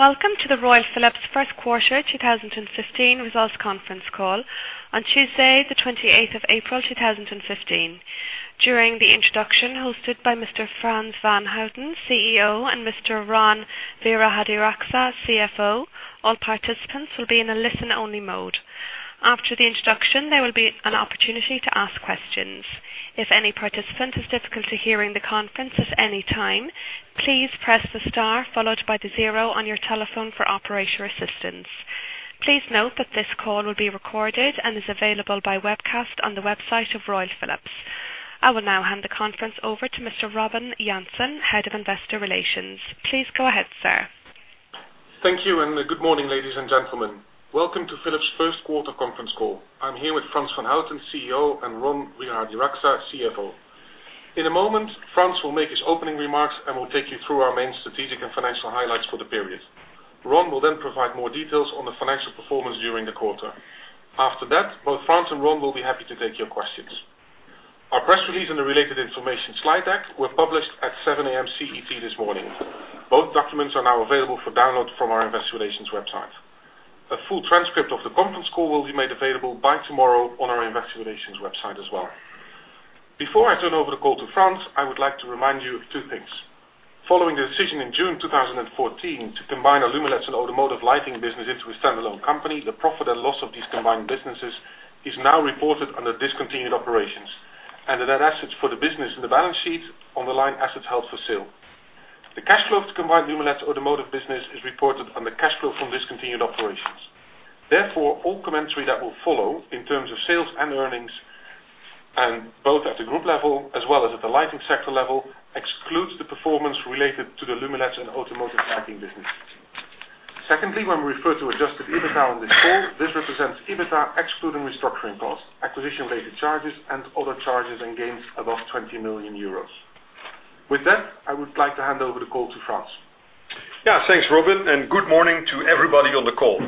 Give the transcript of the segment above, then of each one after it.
Welcome to the Royal Philips first quarter 2015 results conference call on Tuesday, April 28, 2015. During the introduction, hosted by Mr. Frans van Houten, CEO, and Mr. Ron Wirahadiraksa, CFO, all participants will be in a listen-only mode. After the introduction, there will be an opportunity to ask questions. If any participant has difficulty hearing the conference at any time, please press the star followed by the zero on your telephone for operator assistance. Please note that this call will be recorded and is available by webcast on the website of Royal Philips. I will now hand the conference over to Mr. Robin Jansen, Head of Investor Relations. Please go ahead, sir. Thank you, good morning, ladies and gentlemen. Welcome to Philips' first quarter conference call. I am here with Frans van Houten, CEO, and Ron Wirahadiraksa, CFO. In a moment, Frans will make his opening remarks and will take you through our main strategic and financial highlights for the period. Ron will provide more details on the financial performance during the quarter. After that, both Frans and Ron will be happy to take your questions. Our press release and the related information slide deck were published at 7:00 A.M. CET this morning. Both documents are now available for download from our investor relations website. A full transcript of the conference call will be made available by tomorrow on our investor relations website as well. Before I turn over the call to Frans, I would like to remind you of two things. Following the decision in June 2014 to combine our Lumileds and Automotive lighting business into a standalone company, the profit and loss of these combined businesses is now reported under discontinued operations and the net assets for the business in the balance sheet on the line assets held for sale. The cash flow of the combined Lumileds Automotive business is reported under cash flow from discontinued operations. All commentary that will follow in terms of sales and earnings, both at the group level as well as at the lighting sector level, excludes the performance related to the Lumileds and Automotive lighting business. Secondly, when we refer to adjusted EBITDA on this call, this represents EBITDA excluding restructuring costs, acquisition-related charges, and other charges and gains above 20 million euros. With that, I would like to hand over the call to Frans. Thanks, Robin, good morning to everybody on the call.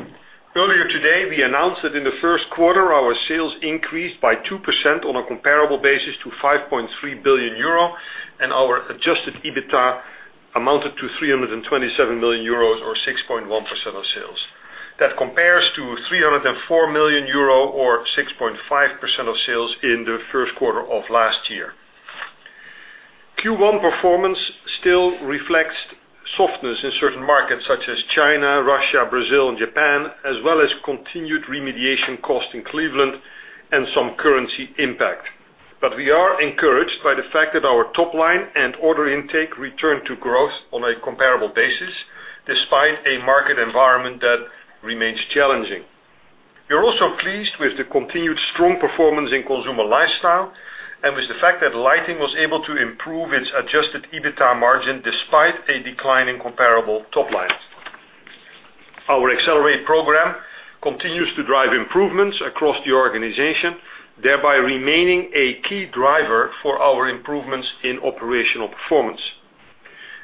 Earlier today, we announced that in the first quarter, our sales increased by 2% on a comparable basis to 5.3 billion euro, and our adjusted EBITDA amounted to 327 million euros or 6.1% of sales. That compares to 304 million euro or 6.5% of sales in the first quarter of last year. Q1 performance still reflects softness in certain markets such as China, Russia, Brazil, and Japan, as well as continued remediation costs in Cleveland and some currency impact. But we are encouraged by the fact that our top-line and order intake returned to growth on a comparable basis despite a market environment that remains challenging. We are also pleased with the continued strong performance in Consumer Lifestyle and with the fact that Lighting was able to improve its adjusted EBITDA margin despite a decline in comparable top-line. Our Accelerate! program continues to drive improvements across the organization, thereby remaining a key driver for our improvements in operational performance.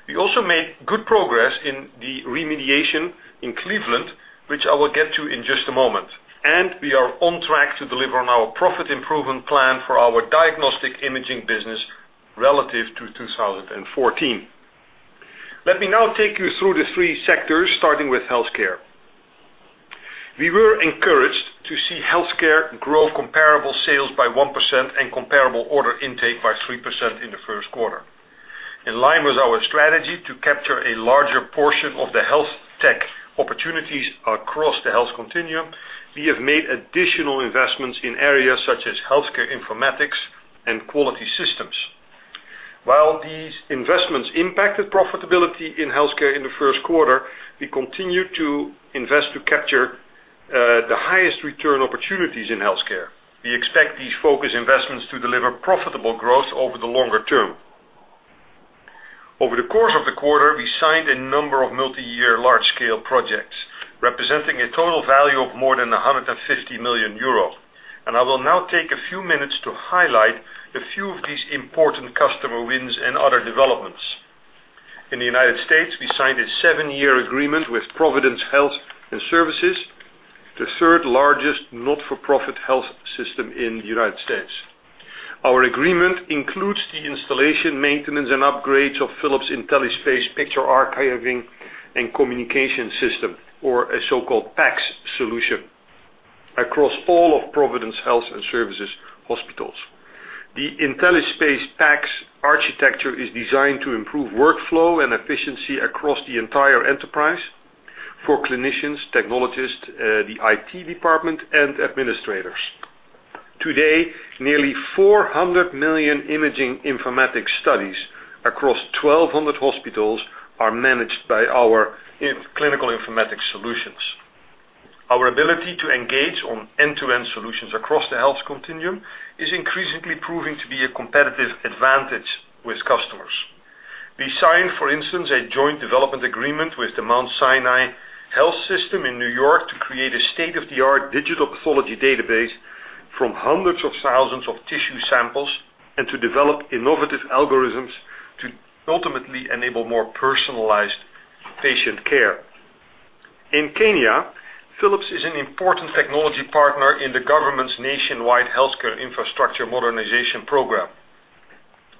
We also made good progress in the remediation in Cleveland, which I will get to in just a moment. We are on track to deliver on our profit improvement plan for our diagnostic imaging business relative to 2014. Let me now take you through the three sectors, starting with healthcare. We were encouraged to see healthcare grow comparable sales by 1% and comparable order intake by 3% in the first quarter. In line with our strategy to capture a larger portion of the health tech opportunities across the health continuum, we have made additional investments in areas such as healthcare informatics and quality systems. While these investments impacted profitability in healthcare in the first quarter, we continued to invest to capture the highest return opportunities in healthcare. We expect these focused investments to deliver profitable growth over the longer term. Over the course of the quarter, we signed a number of multi-year large-scale projects representing a total value of more than 150 million euro. I will now take a few minutes to highlight a few of these important customer wins and other developments. In the U.S., we signed a seven-year agreement with Providence Health & Services, the third largest not-for-profit health system in the U.S. Our agreement includes the installation, maintenance, and upgrades of Philips IntelliSpace picture archiving and communication system or a so-called PACS solution across all of Providence Health & Services hospitals. The IntelliSpace PACS architecture is designed to improve workflow and efficiency across the entire enterprise for clinicians, technologists, the IT department, and administrators. Today, nearly 400 million imaging informatics studies across 1,200 hospitals are managed by our clinical informatics solutions. Our ability to engage on end-to-end solutions across the health continuum is increasingly proving to be a competitive advantage with customers. We signed, for instance, a joint development agreement with the Mount Sinai Health System in New York to create a state-of-the-art digital pathology database from hundreds of thousands of tissue samples and to develop innovative algorithms to ultimately enable more personalized patient care. In Kenya, Philips is an important technology partner in the government's nationwide healthcare infrastructure modernization program.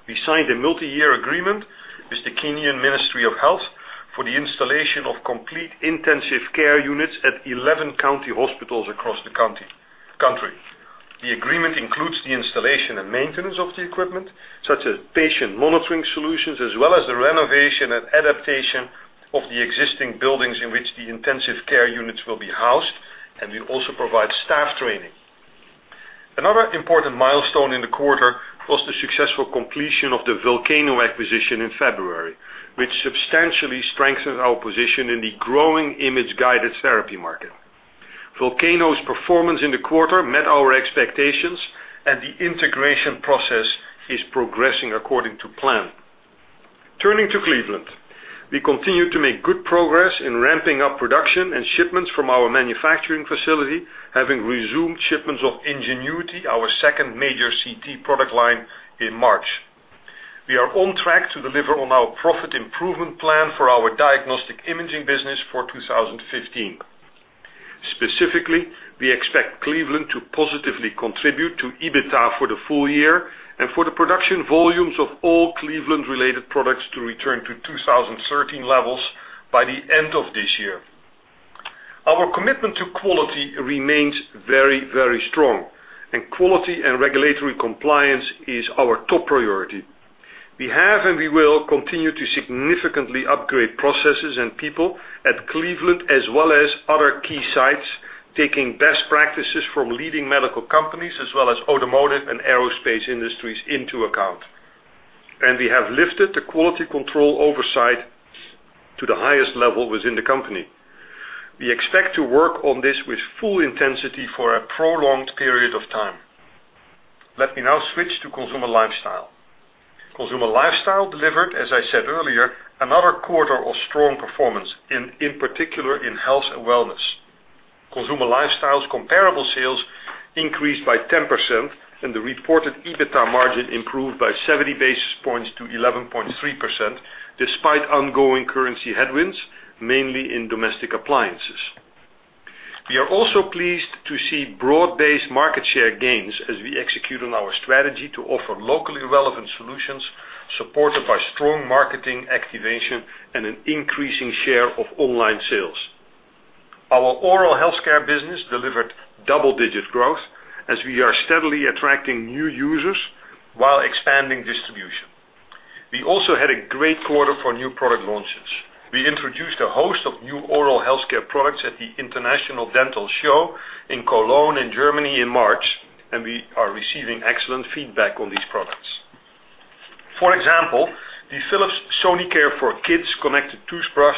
We signed a multi-year agreement with the Kenyan Ministry of Health for the installation of complete intensive care units at 11 county hospitals across the country. The agreement includes the installation and maintenance of the equipment, such as patient monitoring solutions, as well as the renovation and adaptation of the existing buildings in which the intensive care units will be housed. We also provide staff training. Another important milestone in the quarter was the successful completion of the Volcano acquisition in February, which substantially strengthens our position in the growing image-guided therapy market. Volcano's performance in the quarter met our expectations. The integration process is progressing according to plan. Turning to Cleveland. We continue to make good progress in ramping up production and shipments from our manufacturing facility, having resumed shipments of Ingenuity, our second major CT product line, in March. We are on track to deliver on our profit improvement plan for our diagnostic imaging business for 2015. Specifically, we expect Cleveland to positively contribute to EBITDA for the full year and for the production volumes of all Cleveland-related products to return to 2013 levels by the end of this year. Our commitment to quality remains very, very strong, and quality and regulatory compliance is our top priority. We have, and we will, continue to significantly upgrade processes and people at Cleveland as well as other key sites, taking best practices from leading medical companies as well as automotive and aerospace industries into account. We have lifted the quality control oversight to the highest level within the company. We expect to work on this with full intensity for a prolonged period of time. Let me now switch to Consumer Lifestyle. Consumer Lifestyle delivered, as I said earlier, another quarter of strong performance, in particular in health and wellness. Consumer Lifestyle's comparable sales increased by 10%, and the reported EBITDA margin improved by 70 basis points to 11.3%, despite ongoing currency headwinds, mainly in domestic appliances. We are also pleased to see broad-based market share gains as we execute on our strategy to offer locally relevant solutions, supported by strong marketing activation and an increasing share of online sales. Our oral health care business delivered double-digit growth as we are steadily attracting new users while expanding distribution. We also had a great quarter for new product launches. We introduced a host of new oral health care products at the International Dental Show in Cologne, in Germany in March. We are receiving excellent feedback on these products. For example, the Philips Sonicare for Kids connected toothbrush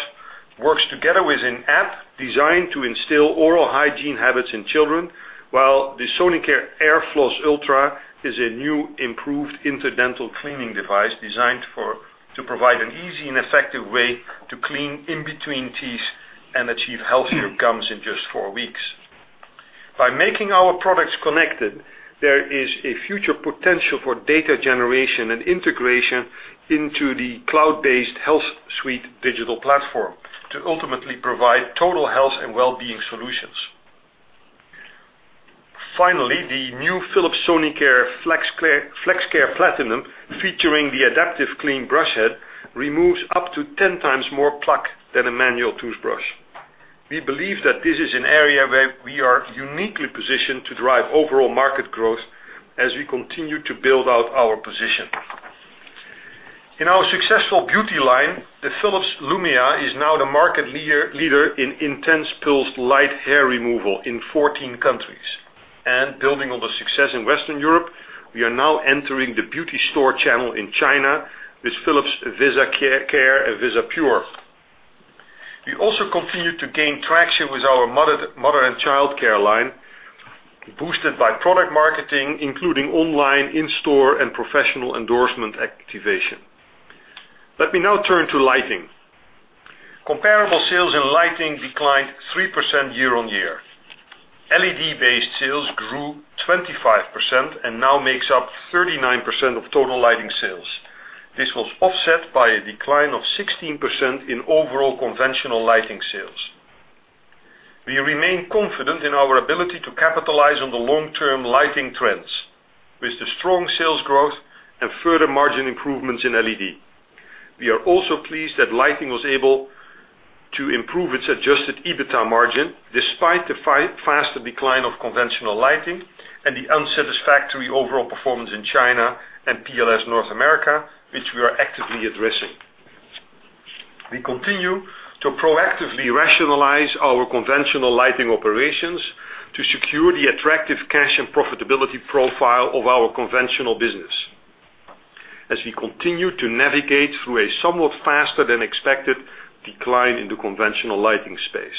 works together with an app designed to instill oral hygiene habits in children, while the Sonicare AirFloss Ultra is a new, improved interdental cleaning device designed to provide an easy and effective way to clean in between teeth and achieve healthier gums in just four weeks. By making our products connected, there is a future potential for data generation and integration into the cloud-based HealthSuite digital platform to ultimately provide total health and wellbeing solutions. Finally, the new Philips Sonicare FlexCare Platinum, featuring the adaptive clean brush head, removes up to 10 times more plaque than a manual toothbrush. We believe that this is an area where we are uniquely positioned to drive overall market growth as we continue to build out our position. In our successful beauty line, the Philips Lumea is now the market leader in intense pulsed light hair removal in 14 countries. Building on the success in Western Europe, we are now entering the beauty store channel in China with Philips VisaCare and VisaPure. We also continue to gain traction with our mother and childcare line, boosted by product marketing, including online, in-store, and professional endorsement activation. Let me now turn to lighting. Comparable sales in lighting declined 3% year-on-year. LED-based sales grew 25% and now makes up 39% of total Lighting sales. This was offset by a decline of 16% in overall conventional Lighting sales. We remain confident in our ability to capitalize on the long-term lighting trends with the strong sales growth and further margin improvements in LED. We are also pleased that lighting was able to improve its adjusted EBITDA margin, despite the faster decline of conventional lighting and the unsatisfactory overall performance in China and PLS North America, which we are actively addressing. We continue to proactively rationalize our conventional lighting operations to secure the attractive cash and profitability profile of our conventional business as we continue to navigate through a somewhat faster than expected decline in the conventional lighting space.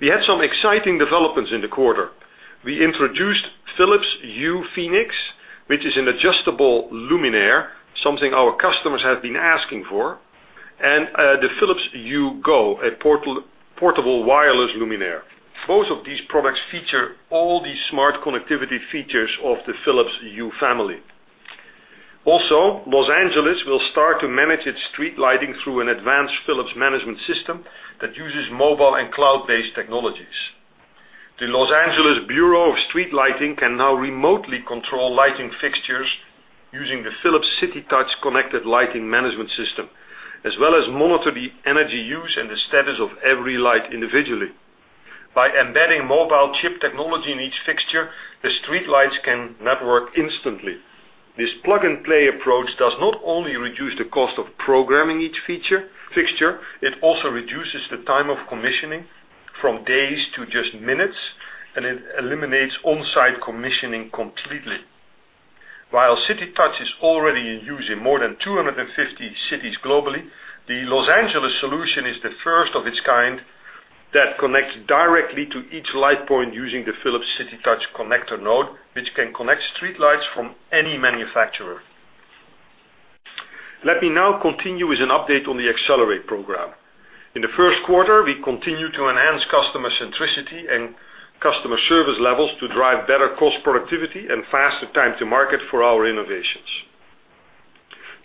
We had some exciting developments in the quarter. We introduced Philips Hue Phoenix, which is an adjustable luminaire, something our customers have been asking for, and the Philips Hue Go, a portable wireless luminaire. Both of these products feature all the smart connectivity features of the Philips Hue family. Los Angeles will start to manage its street lighting through an advanced Philips management system that uses mobile and cloud-based technologies. The L.A. Bureau of Street Lighting can now remotely control lighting fixtures using the Philips CityTouch connected lighting management system, as well as monitor the energy use and the status of every light individually. By embedding mobile chip technology in each fixture, the streetlights can network instantly. This plug-and-play approach does not only reduce the cost of programming each fixture, it also reduces the time of commissioning from days to just minutes, and it eliminates on-site commissioning completely. While CityTouch is already in use in more than 250 cities globally, the Los Angeles solution is the first of its kind that connects directly to each light point using the Philips CityTouch connector node, which can connect streetlights from any manufacturer. Let me now continue with an update on the Accelerate! program. In the first quarter, we continued to enhance customer centricity and customer service levels to drive better cost productivity and faster time to market for our innovations.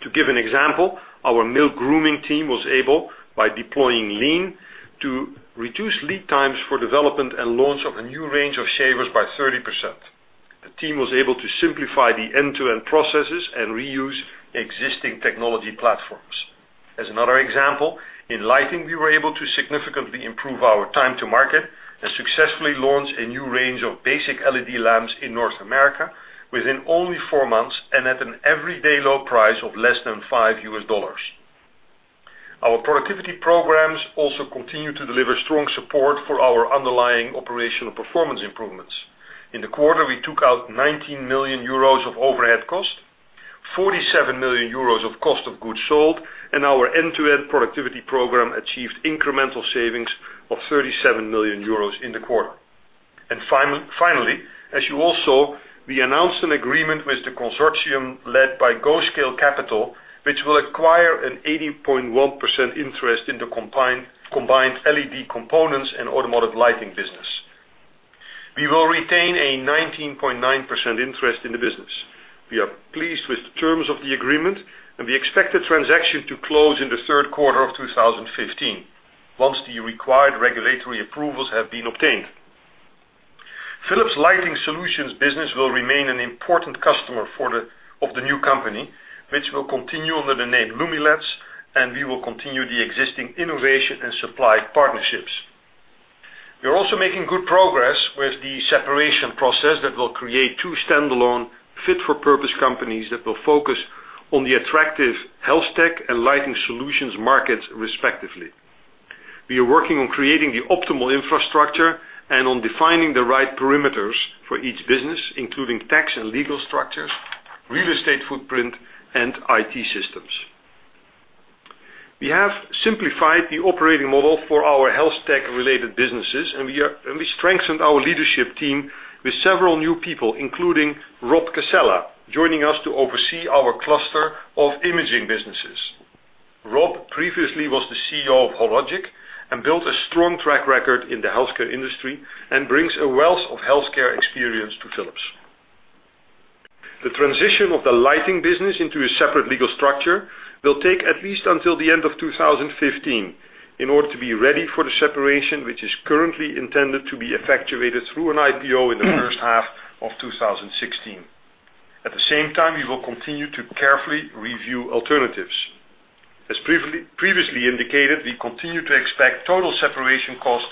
To give an example, our male grooming team was able, by deploying Lean, to reduce lead times for development and launch of a new range of shavers by 30%. The team was able to simplify the end-to-end processes and reuse existing technology platforms. As another example, in lighting, we were able to significantly improve our time to market and successfully launch a new range of basic LED lamps in North America within only four months and at an everyday low price of less than EUR 5. Our productivity programs also continue to deliver strong support for our underlying operational performance improvements. In the quarter, we took out 90 million euros of overhead cost, 47 million euros of cost of goods sold, and our end-to-end productivity program achieved incremental savings of 37 million euros in the quarter. Finally, as you also, we announced an agreement with the consortium led by GO Scale Capital, which will acquire an 80.1% interest in the combined LED components and automotive lighting business. We will retain a 19.9% interest in the business. We are pleased with the terms of the agreement, and we expect the transaction to close in the third quarter of 2015, once the required regulatory approvals have been obtained. Philips Lighting Solutions business will remain an important customer of the new company, which will continue under the name Lumileds, and we will continue the existing innovation and supply partnerships. We are also making good progress with the separation process that will create two standalone fit-for-purpose companies that will focus on the attractive health tech and lighting solutions markets, respectively. We are working on creating the optimal infrastructure and on defining the right perimeters for each business, including tax and legal structures, real estate footprint, and IT systems. We have simplified the operating model for our health tech-related businesses. We strengthened our leadership team with several new people, including Rob Casella, joining us to oversee our cluster of imaging businesses. Rob previously was the CEO of Hologic and built a strong track record in the healthcare industry and brings a wealth of healthcare experience to Philips. The transition of the lighting business into a separate legal structure will take at least until the end of 2015 in order to be ready for the separation, which is currently intended to be effectuated through an IPO in the first half of 2016. At the same time, we will continue to carefully review alternatives. As previously indicated, we continue to expect total separation costs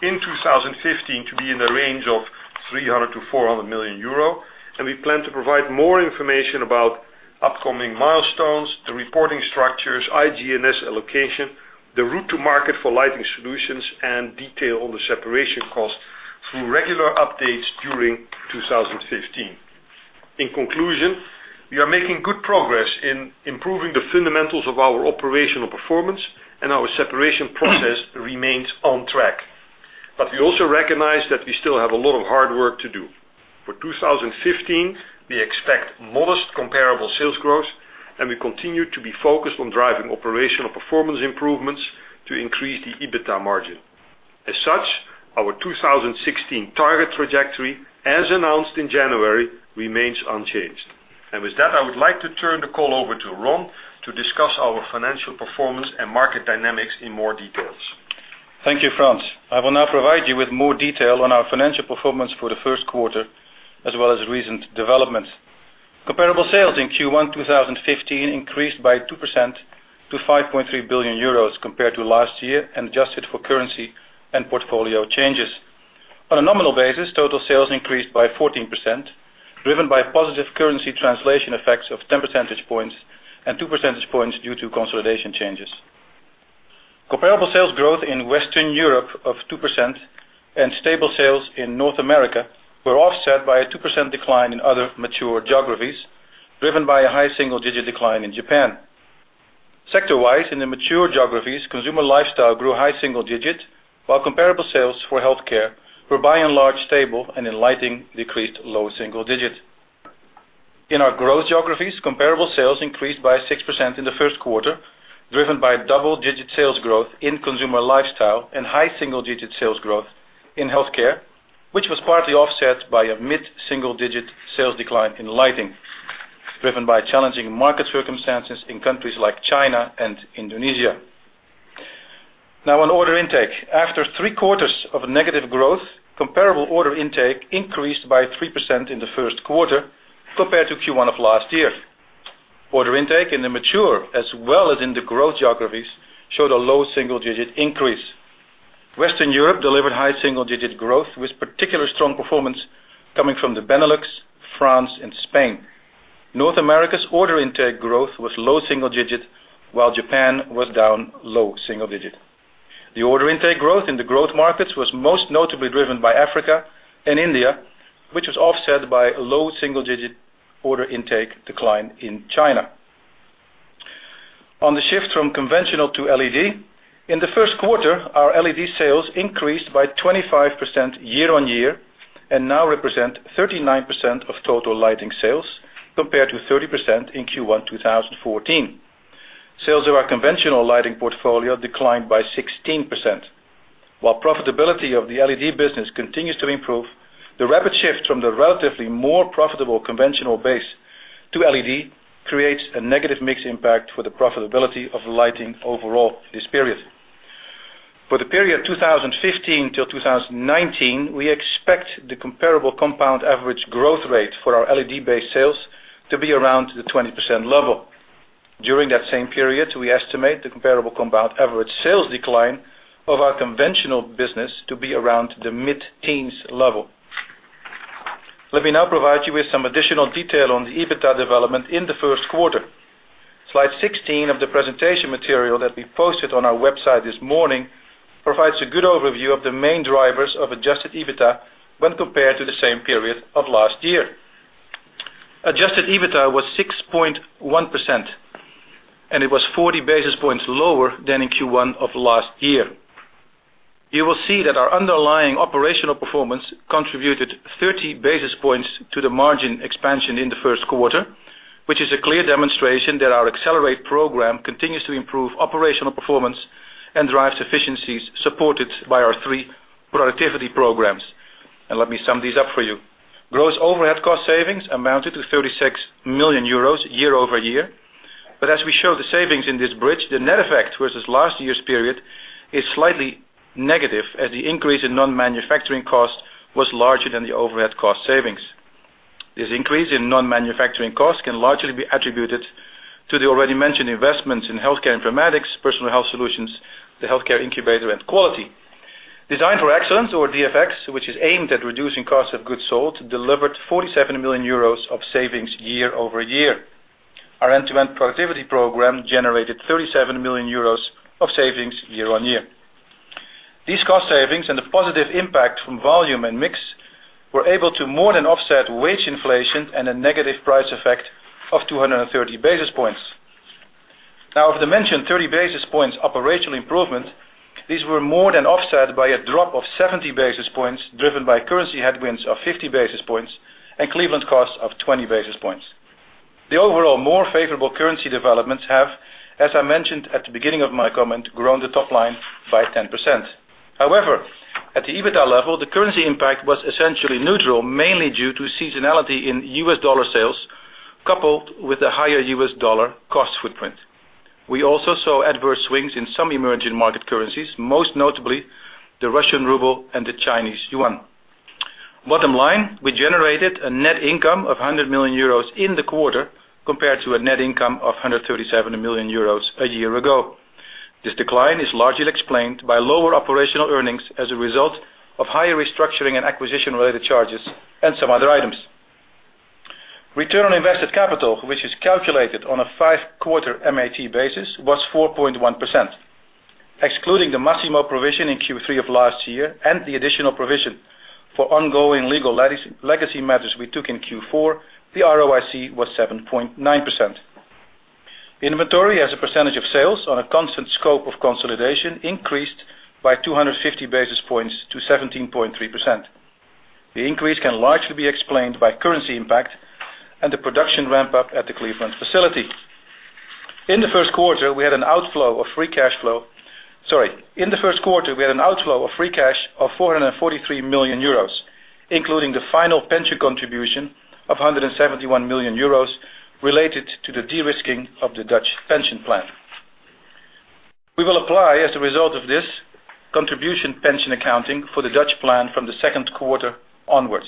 in 2015 to be in the range of 300 million-400 million euro. We plan to provide more information about upcoming milestones, the reporting structures, IG&S allocation, the route to market for Lighting Solutions, and detail on the separation cost through regular updates during 2015. In conclusion, we are making good progress in improving the fundamentals of our operational performance. Our separation process remains on track. We also recognize that we still have a lot of hard work to do. For 2015, we expect modest comparable sales growth. We continue to be focused on driving operational performance improvements to increase the EBITDA margin. As such, our 2016 target trajectory, as announced in January, remains unchanged. With that, I would like to turn the call over to Ron to discuss our financial performance and market dynamics in more details. Thank you, Frans. I will now provide you with more detail on our financial performance for the first quarter, as well as recent developments. Comparable sales in Q1 2015 increased by 2% to 5.3 billion euros compared to last year, adjusted for currency and portfolio changes. On a nominal basis, total sales increased by 14%, driven by positive currency translation effects of 10 percentage points and two percentage points due to consolidation changes. Comparable sales growth in Western Europe of 2% and stable sales in North America were offset by a 2% decline in other mature geographies, driven by a high single-digit decline in Japan. Sector-wise, in the mature geographies, Consumer Lifestyle grew high single digit. Comparable sales for healthcare were by and large stable, and in lighting, decreased low single digit. In our growth geographies, comparable sales increased by 6% in the first quarter, driven by double-digit sales growth in Consumer Lifestyle and high single-digit sales growth in healthcare, which was partly offset by a mid-single-digit sales decline in Lighting, driven by challenging market circumstances in countries like China and Indonesia. On order intake. After three quarters of negative growth, comparable order intake increased by 3% in the first quarter compared to Q1 of last year. Order intake in the mature as well as in the growth geographies showed a low single-digit increase. Western Europe delivered high single-digit growth with particular strong performance coming from the Benelux, France, and Spain. North America's order intake growth was low single digit, while Japan was down low single digit. The order intake growth in the growth markets was most notably driven by Africa and India, which was offset by a low single-digit order intake decline in China. On the shift from conventional to LED, in the first quarter, our LED sales increased by 25% year-on-year, and now represent 39% of total Lighting sales, compared to 30% in Q1, 2014. Sales of our conventional lighting portfolio declined by 16%. While profitability of the LED business continues to improve, the rapid shift from the relatively more profitable conventional base to LED creates a negative mix impact for the profitability of Lighting overall this period. For the period 2015 till 2019, we expect the comparable compound average growth rate for our LED-based sales to be around the 20% level. During that same period, we estimate the comparable compound average sales decline of our conventional business to be around the mid-teens level. Let me now provide you with some additional detail on the EBITDA development in the first quarter. Slide 16 of the presentation material that we posted on our website this morning provides a good overview of the main drivers of adjusted EBITDA when compared to the same period of last year. Adjusted EBITDA was 6.1%, and it was 40 basis points lower than in Q1 of last year. You will see that our underlying operational performance contributed 30 basis points to the margin expansion in the first quarter, which is a clear demonstration that our Accelerate! program continues to improve operational performance and drives efficiencies supported by our three productivity programs. Let me sum these up for you. Gross overhead cost savings amounted to 36 million euros year-over-year. As we show the savings in this bridge, the net effect versus last year's period is slightly negative, as the increase in non-manufacturing cost was larger than the overhead cost savings. This increase in non-manufacturing costs can largely be attributed to the already mentioned investments in healthcare informatics, personal health solutions, the healthcare incubator, and quality. Design for Excellence or DfX, which is aimed at reducing cost of goods sold, delivered 47 million euros of savings year-over-year. Our end-to-end productivity program generated 37 million euros of savings year-on-year. These cost savings and the positive impact from volume and mix were able to more than offset wage inflation and a negative price effect of 230 basis points. Of the mentioned 30 basis points operational improvement, these were more than offset by a drop of 70 basis points driven by currency headwinds of 50 basis points and Cleveland costs of 20 basis points. The overall more favorable currency developments have, as I mentioned at the beginning of my comment, grown the top line by 10%. However, at the EBITDA level, the currency impact was essentially neutral, mainly due to seasonality in U.S. dollar sales, coupled with the higher U.S. dollar cost footprint. We also saw adverse swings in some emerging market currencies, most notably the Russian ruble and the Chinese yuan. Bottom line, we generated a net income of 100 million euros in the quarter, compared to a net income of 137 million euros a year ago. This decline is largely explained by lower operational earnings as a result of higher restructuring and acquisition-related charges and some other items. Return on invested capital, which is calculated on a five-quarter MAT basis, was 4.1%. Excluding the Masimo provision in Q3 of last year and the additional provision for ongoing legal legacy matters we took in Q4, the ROIC was 7.9%. Inventory as a percentage of sales on a constant scope of consolidation increased by 250 basis points to 17.3%. The increase can largely be explained by currency impact and the production ramp-up at the Cleveland facility. In the first quarter, we had an outflow of free cash of 443 million euros, including the final pension contribution of 171 million euros related to the de-risking of the Dutch pension plan. We will apply, as a result of this, contribution pension accounting for the Dutch plan from the second quarter onwards.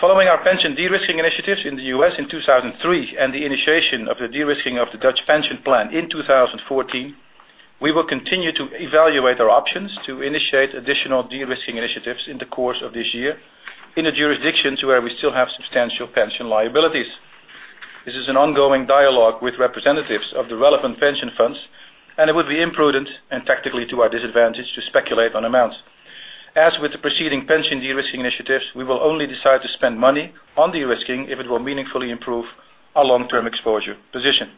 Following our pension de-risking initiatives in the U.S. in 2003 and the initiation of the de-risking of the Dutch pension plan in 2014, we will continue to evaluate our options to initiate additional de-risking initiatives in the course of this year in the jurisdictions where we still have substantial pension liabilities. This is an ongoing dialogue with representatives of the relevant pension funds, and it would be imprudent and tactically to our disadvantage to speculate on amounts. As with the preceding pension de-risking initiatives, we will only decide to spend money on de-risking if it will meaningfully improve our long-term exposure position.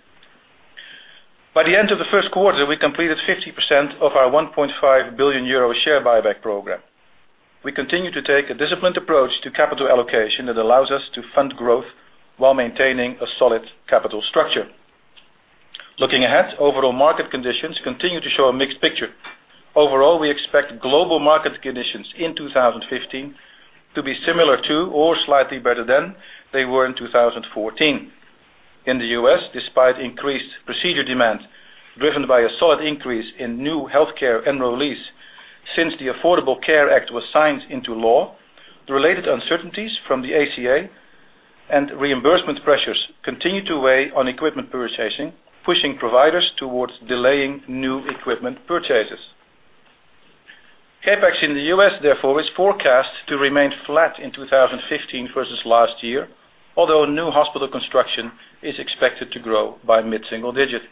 By the end of the first quarter, we completed 50% of our 1.5 billion euro share buyback program. We continue to take a disciplined approach to capital allocation that allows us to fund growth while maintaining a solid capital structure. Looking ahead, overall market conditions continue to show a mixed picture. Overall, we expect global market conditions in 2015 to be similar to or slightly better than they were in 2014. In the U.S., despite increased procedure demand driven by a solid increase in new healthcare enrollees since the Affordable Care Act was signed into law, the related uncertainties from the ACA and reimbursement pressures continue to weigh on equipment purchasing, pushing providers towards delaying new equipment purchases. CapEx in the U.S., therefore, is forecast to remain flat in 2015 versus last year, although new hospital construction is expected to grow by mid-single digit.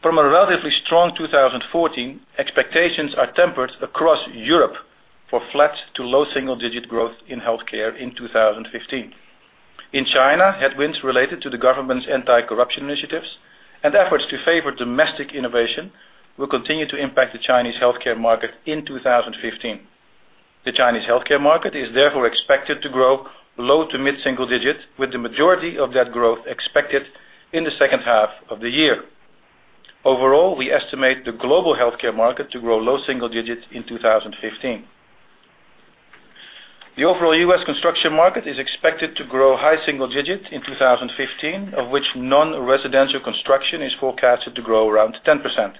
From a relatively strong 2014, expectations are tempered across Europe for flat to low single-digit growth in healthcare in 2015. In China, headwinds related to the government's anti-corruption initiatives and efforts to favor domestic innovation will continue to impact the Chinese healthcare market in 2015. The Chinese healthcare market is therefore expected to grow low to mid-single digit, with the majority of that growth expected in the second half of the year. Overall, we estimate the global healthcare market to grow low-single digits in 2015. The overall U.S. construction market is expected to grow high-single digit in 2015, of which non-residential construction is forecasted to grow around 10%.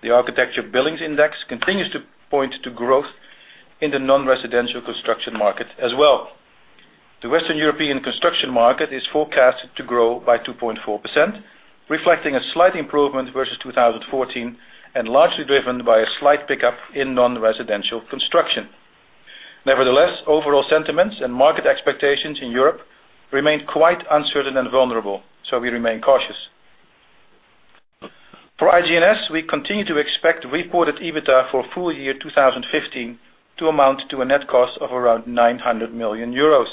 The Architecture Billings Index continues to point to growth in the non-residential construction market as well. The Western European construction market is forecasted to grow by 2.4%, reflecting a slight improvement versus 2014 and largely driven by a slight pickup in non-residential construction. Nevertheless, overall sentiments and market expectations in Europe remain quite uncertain and vulnerable, so we remain cautious. For IG&S, we continue to expect reported EBITDA for full year 2015 to amount to a net cost of around 900 million euros.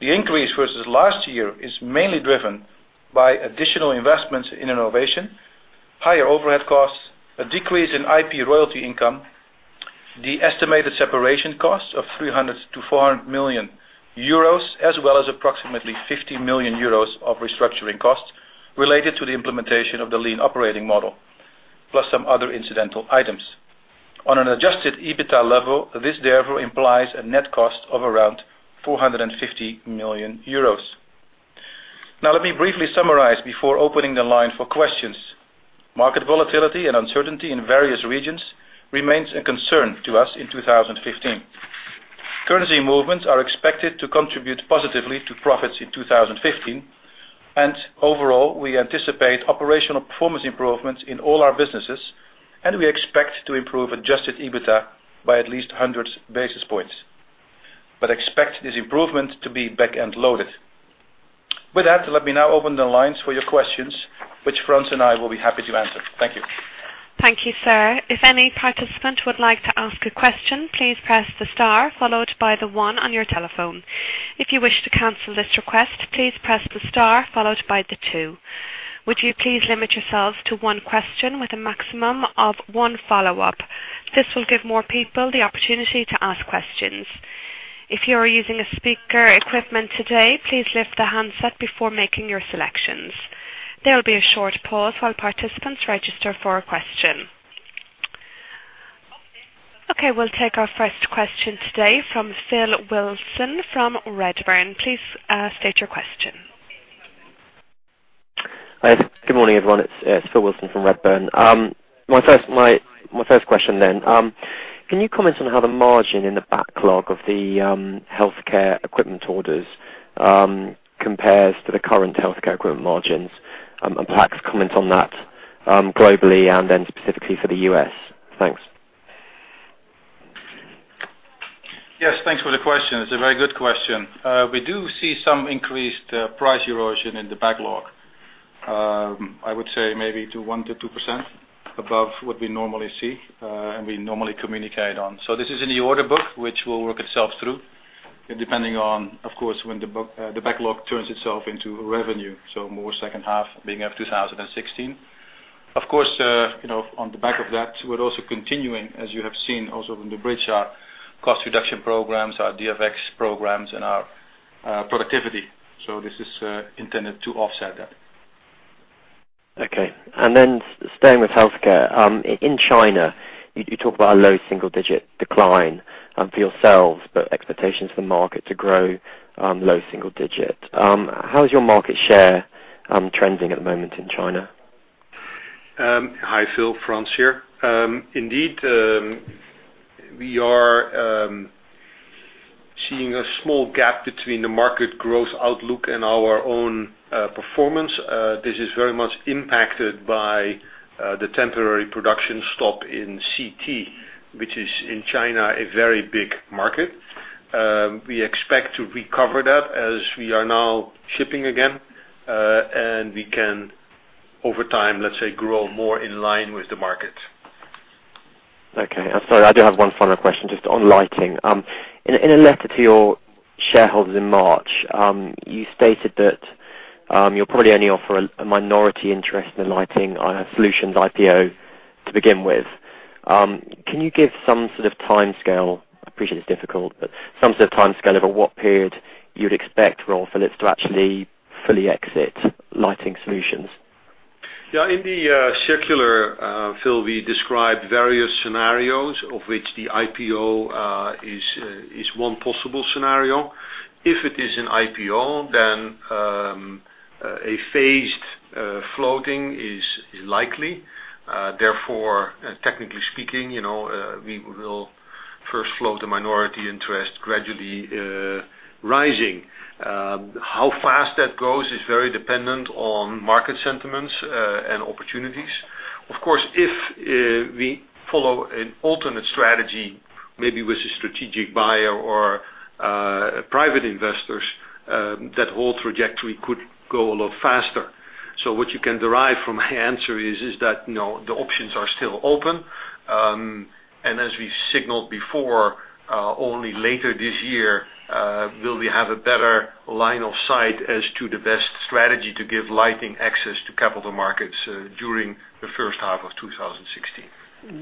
The increase versus last year is mainly driven by additional investments in innovation, higher overhead costs, a decrease in IP royalty income, the estimated separation cost of 300 million-400 million euros, as well as approximately 50 million euros of restructuring costs related to the implementation of the Lean operating model, plus some other incidental items. On an adjusted EBITDA level, this therefore implies a net cost of around 450 million euros. Now, let me briefly summarize before opening the line for questions. Market volatility and uncertainty in various regions remains a concern to us in 2015. Currency movements are expected to contribute positively to profits in 2015. Overall, we anticipate operational performance improvements in all our businesses, and we expect to improve adjusted EBITDA by at least 100 basis points, but expect this improvement to be back-end loaded. With that, let me now open the lines for your questions, which Frans and I will be happy to answer. Thank you. Thank you, sir. If any participant would like to ask a question, please press the star followed by the one on your telephone. If you wish to cancel this request, please press the star followed by the two. Would you please limit yourselves to one question with a maximum of one follow-up? This will give more people the opportunity to ask questions. If you are using speaker equipment today, please lift the handset before making your selections. There will be a short pause while participants register for a question. Okay, we'll take our first question today from Philip Wilson from Redburn. Please state your question. Good morning, everyone. It's Philip Wilson from Redburn. My first question. Can you comment on how the margin in the backlog of the healthcare equipment orders compares to the current healthcare equipment margins? Perhaps comment on that globally and then specifically for the U.S. Thanks. Yes, thanks for the question. It's a very good question. We do see some increased price erosion in the backlog. I would say maybe to 1%-2% above what we normally see and we normally communicate on. This is in the order book, which will work itself through, depending on, of course, when the backlog turns itself into revenue, more second half being of 2016. Of course, on the back of that, we're also continuing, as you have seen also from the bridge, our cost reduction programs, our DfX programs, and our productivity. This is intended to offset that. Okay. Staying with healthcare. In China, you talk about a low single-digit decline for yourselves, but expectations for the market to grow low single-digit. How is your market share trending at the moment in China? Hi, Phil. Frans here. Indeed, we are seeing a small gap between the market growth outlook and our own performance. This is very much impacted by the temporary production stop in CT, which is in China, a very big market. We expect to recover that as we are now shipping again. We can, over time, let's say, grow more in line with the market. Okay. I'm sorry, I do have one final question just on lighting. In a letter to your shareholders in March, you stated that you'll probably only offer a minority interest in a Lighting Solutions IPO. Can you give some sort of timescale, I appreciate it's difficult, but some sort of timescale over what period you'd expect Royal Philips to actually fully exit Lighting Solutions? Yeah. In the circular, Phil, we described various scenarios of which the IPO is one possible scenario. If it is an IPO, a phased floating is likely. Therefore, technically speaking, we will first float the minority interest gradually rising. How fast that goes is very dependent on market sentiments and opportunities. Of course, if we follow an alternate strategy, maybe with a strategic buyer or private investors, that whole trajectory could go a lot faster. What you can derive from my answer is that, the options are still open. As we signaled before, only later this year will we have a better line of sight as to the best strategy to give lighting access to capital markets during the first half of 2016.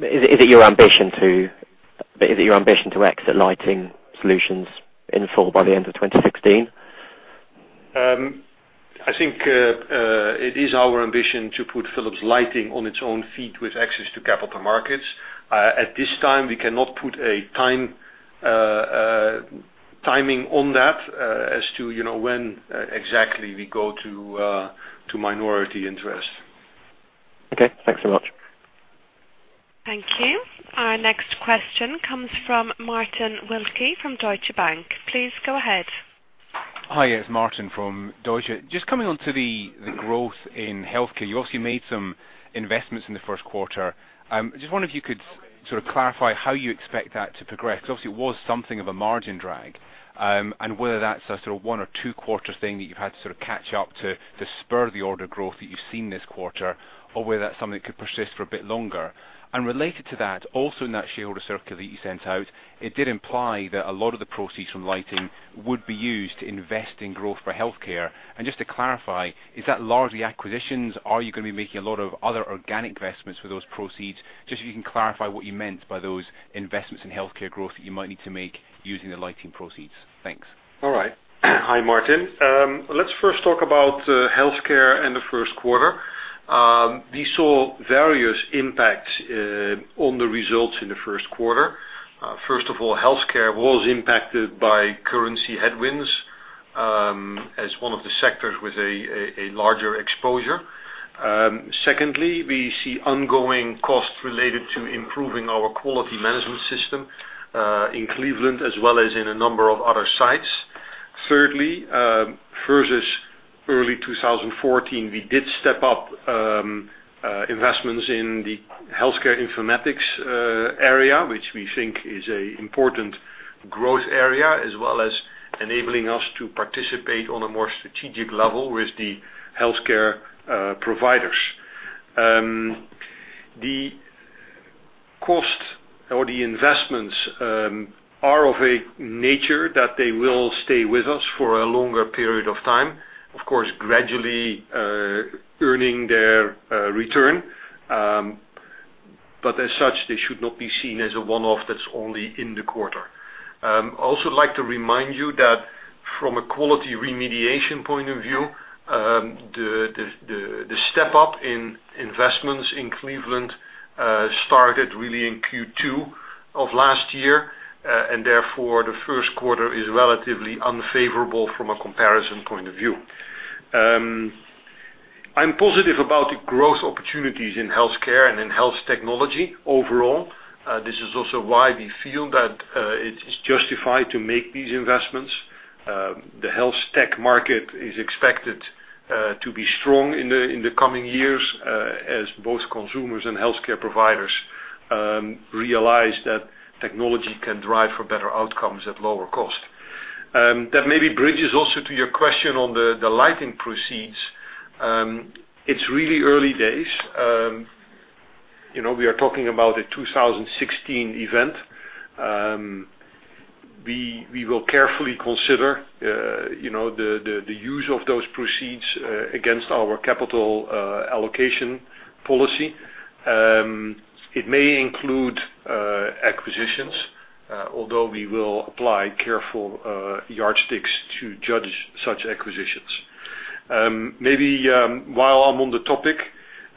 Is it your ambition to exit Lighting Solutions in full by the end of 2016? I think it is our ambition to put Philips Lighting on its own feet with access to capital markets. At this time, we cannot put a timing on that as to when exactly we go to minority interest. Okay. Thanks so much. Thank you. Our next question comes from Martin Wilke from Deutsche Bank. Please go ahead. Hi, it's Martin from Deutsche. Just coming onto the growth in healthcare, you obviously made some investments in the first quarter. Just wonder if you could sort of clarify how you expect that to progress. Because obviously it was something of a margin drag. Whether that's a sort of one or two quarter thing that you've had to sort of catch up to spur the order growth that you've seen this quarter, or whether that's something that could persist for a bit longer. Related to that, also in that shareholder circular that you sent out, it did imply that a lot of the proceeds from lighting would be used to invest in growth for healthcare. Just to clarify, is that largely acquisitions? Are you going to be making a lot of other organic investments with those proceeds? Just if you can clarify what you meant by those investments in healthcare growth that you might need to make using the lighting proceeds. Thanks. All right. Hi, Martin. Let's first talk about healthcare in the first quarter. We saw various impacts on the results in the first quarter. First of all, healthcare was impacted by currency headwinds, as one of the sectors with a larger exposure. Secondly, we see ongoing costs related to improving our quality management system in Cleveland as well as in a number of other sites. Thirdly, versus early 2014, we did step up investments in the healthcare informatics area, which we think is an important growth area, as well as enabling us to participate on a more strategic level with the healthcare providers. The cost or the investments are of a nature that they will stay with us for a longer period of time. Of course, gradually earning their return. As such, they should not be seen as a one-off that's only in the quarter. Also would like to remind you that from a quality remediation point of view, the step up in investments in Cleveland started really in Q2 of last year. Therefore, the first quarter is relatively unfavorable from a comparison point of view. I'm positive about the growth opportunities in healthcare and in health technology overall. This is also why we feel that it is justified to make these investments. The health tech market is expected to be strong in the coming years, as both consumers and healthcare providers realize that technology can drive for better outcomes at lower cost. That maybe bridges also to your question on the lighting proceeds. It's really early days. We are talking about a 2016 event. We will carefully consider the use of those proceeds against our capital allocation policy. It may include acquisitions, although we will apply careful yardsticks to judge such acquisitions. Maybe while I'm on the topic,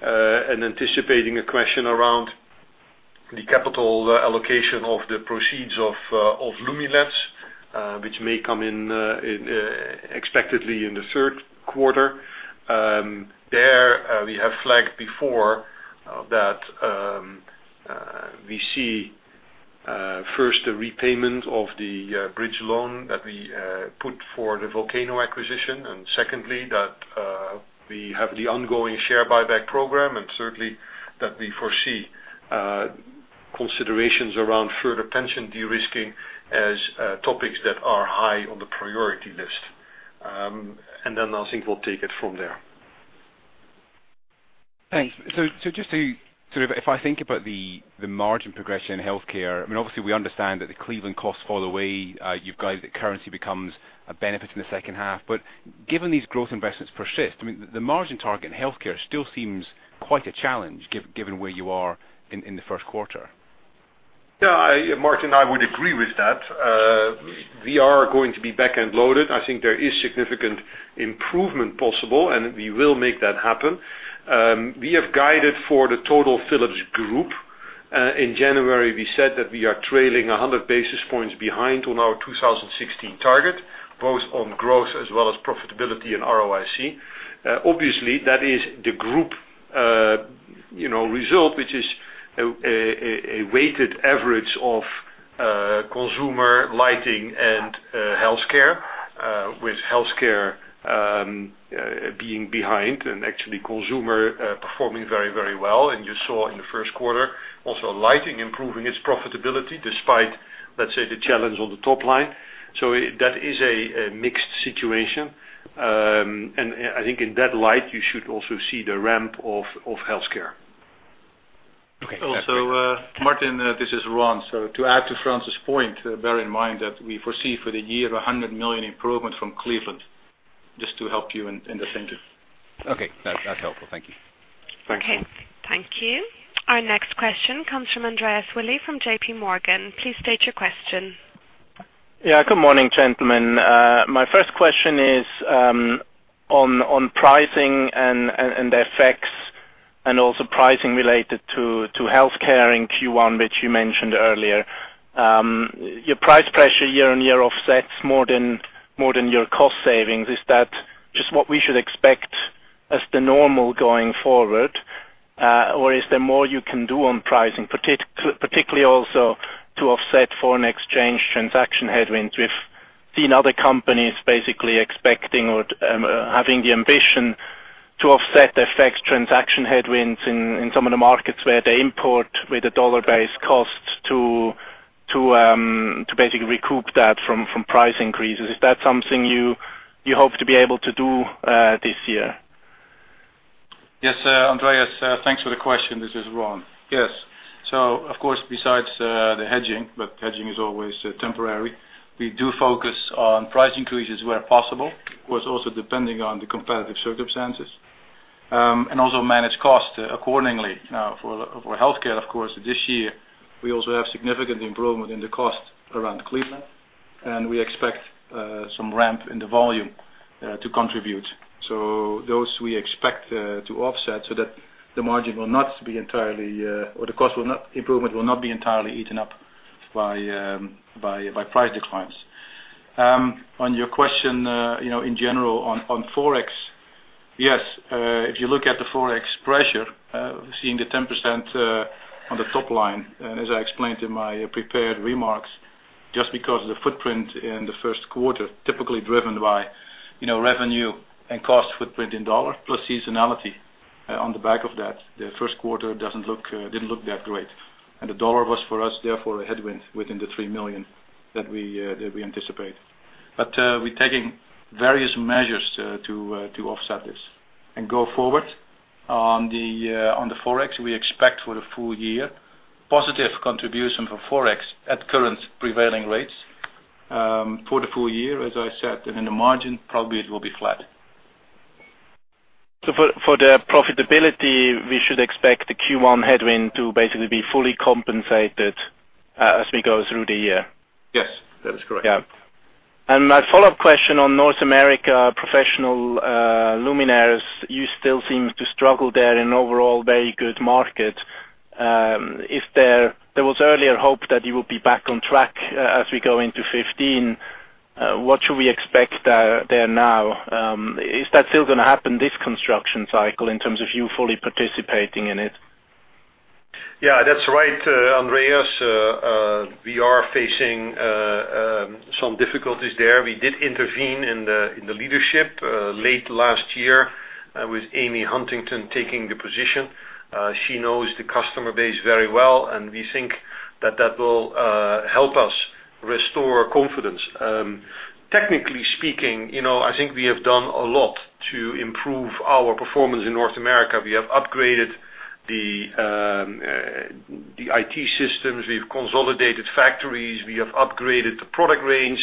anticipating a question around the capital allocation of the proceeds of Lumileds, which may come in expectedly in the third quarter. There, we have flagged before that we see first the repayment of the bridge loan that we put for the Volcano acquisition. Secondly, that we have the ongoing share buyback program, and certainly that we foresee considerations around further pension de-risking as topics that are high on the priority list. Then I think we'll take it from there. Thanks. If I think about the margin progression in healthcare, obviously we understand that the Cleveland costs fall away. You've guided that currency becomes a benefit in the second half. Given these growth investments persist, the margin target in healthcare still seems quite a challenge given where you are in the first quarter. Yeah, Martin, I would agree with that. We are going to be back-end loaded. I think there is significant improvement possible, and we will make that happen. We have guided for the total Philips Group. In January, we said that we are trailing 100 basis points behind on our 2016 target, both on growth as well as profitability and ROIC. Obviously, that is the group result, which is a weighted average of Consumer, Lighting and Healthcare, with Healthcare being behind and actually Consumer performing very well. You saw in the first quarter also Lighting improving its profitability despite, let's say, the challenge on the top line. That is a mixed situation. I think in that light, you should also see the ramp of Healthcare. Okay. Also, Martin, this is Ron. To add to Frans' point, bear in mind that we foresee for the year 100 million improvement from Cleveland, just to help you in the thinking. Okay, that's helpful. Thank you. Thank you. Okay, thank you. Our next question comes from Andreas Willi from JPMorgan. Please state your question. Good morning, gentlemen. My first question is on pricing and FX and also pricing related to healthcare in Q1, which you mentioned earlier. Your price pressure year-on-year offsets more than your cost savings. Is that just what we should expect as the normal going forward, or is there more you can do on pricing, particularly also to offset foreign exchange transaction headwinds? We've seen other companies basically expecting or having the ambition to offset FX transaction headwinds in some of the markets where they import with the dollar-based costs to basically recoup that from price increases. Is that something you hope to be able to do this year? Yes, Andreas, thanks for the question. This is Ron. Yes. Of course, besides the hedging, but hedging is always temporary, we do focus on price increases where possible. Of course, also depending on the competitive circumstances, and also manage cost accordingly. For healthcare, of course, this year, we also have significant improvement in the cost around Cleveland, and we expect some ramp in the volume to contribute. Those we expect to offset so that the cost improvement will not be entirely eaten up by price declines. On your question, in general on Forex, yes. If you look at the Forex pressure, seeing the 10% on the top line, as I explained in my prepared remarks, just because of the footprint in the first quarter, typically driven by revenue and cost footprint in dollar plus seasonality on the back of that, the first quarter didn't look that great. The dollar was, for us, therefore, a headwind within the 3 million that we anticipate. We're taking various measures to offset this and go forward. On the Forex, we expect for the full year, positive contribution for Forex at current prevailing rates for the full year, as I said, and in the margin, probably it will be flat. For the profitability, we should expect the Q1 headwind to basically be fully compensated as we go through the year. Yes, that is correct. My follow-up question on North America professional luminaires, you still seem to struggle there in overall very good market. There was earlier hope that you will be back on track as we go into 2015. What should we expect there now? Is that still going to happen this construction cycle in terms of you fully participating in it? Yeah, that's right, Andreas. We are facing some difficulties there. We did intervene in the leadership late last year with Amy Huntington taking the position. She knows the customer base very well, and we think that that will help us restore confidence. Technically speaking, I think we have done a lot to improve our performance in North America. We have upgraded the IT systems, we've consolidated factories, we have upgraded the product range.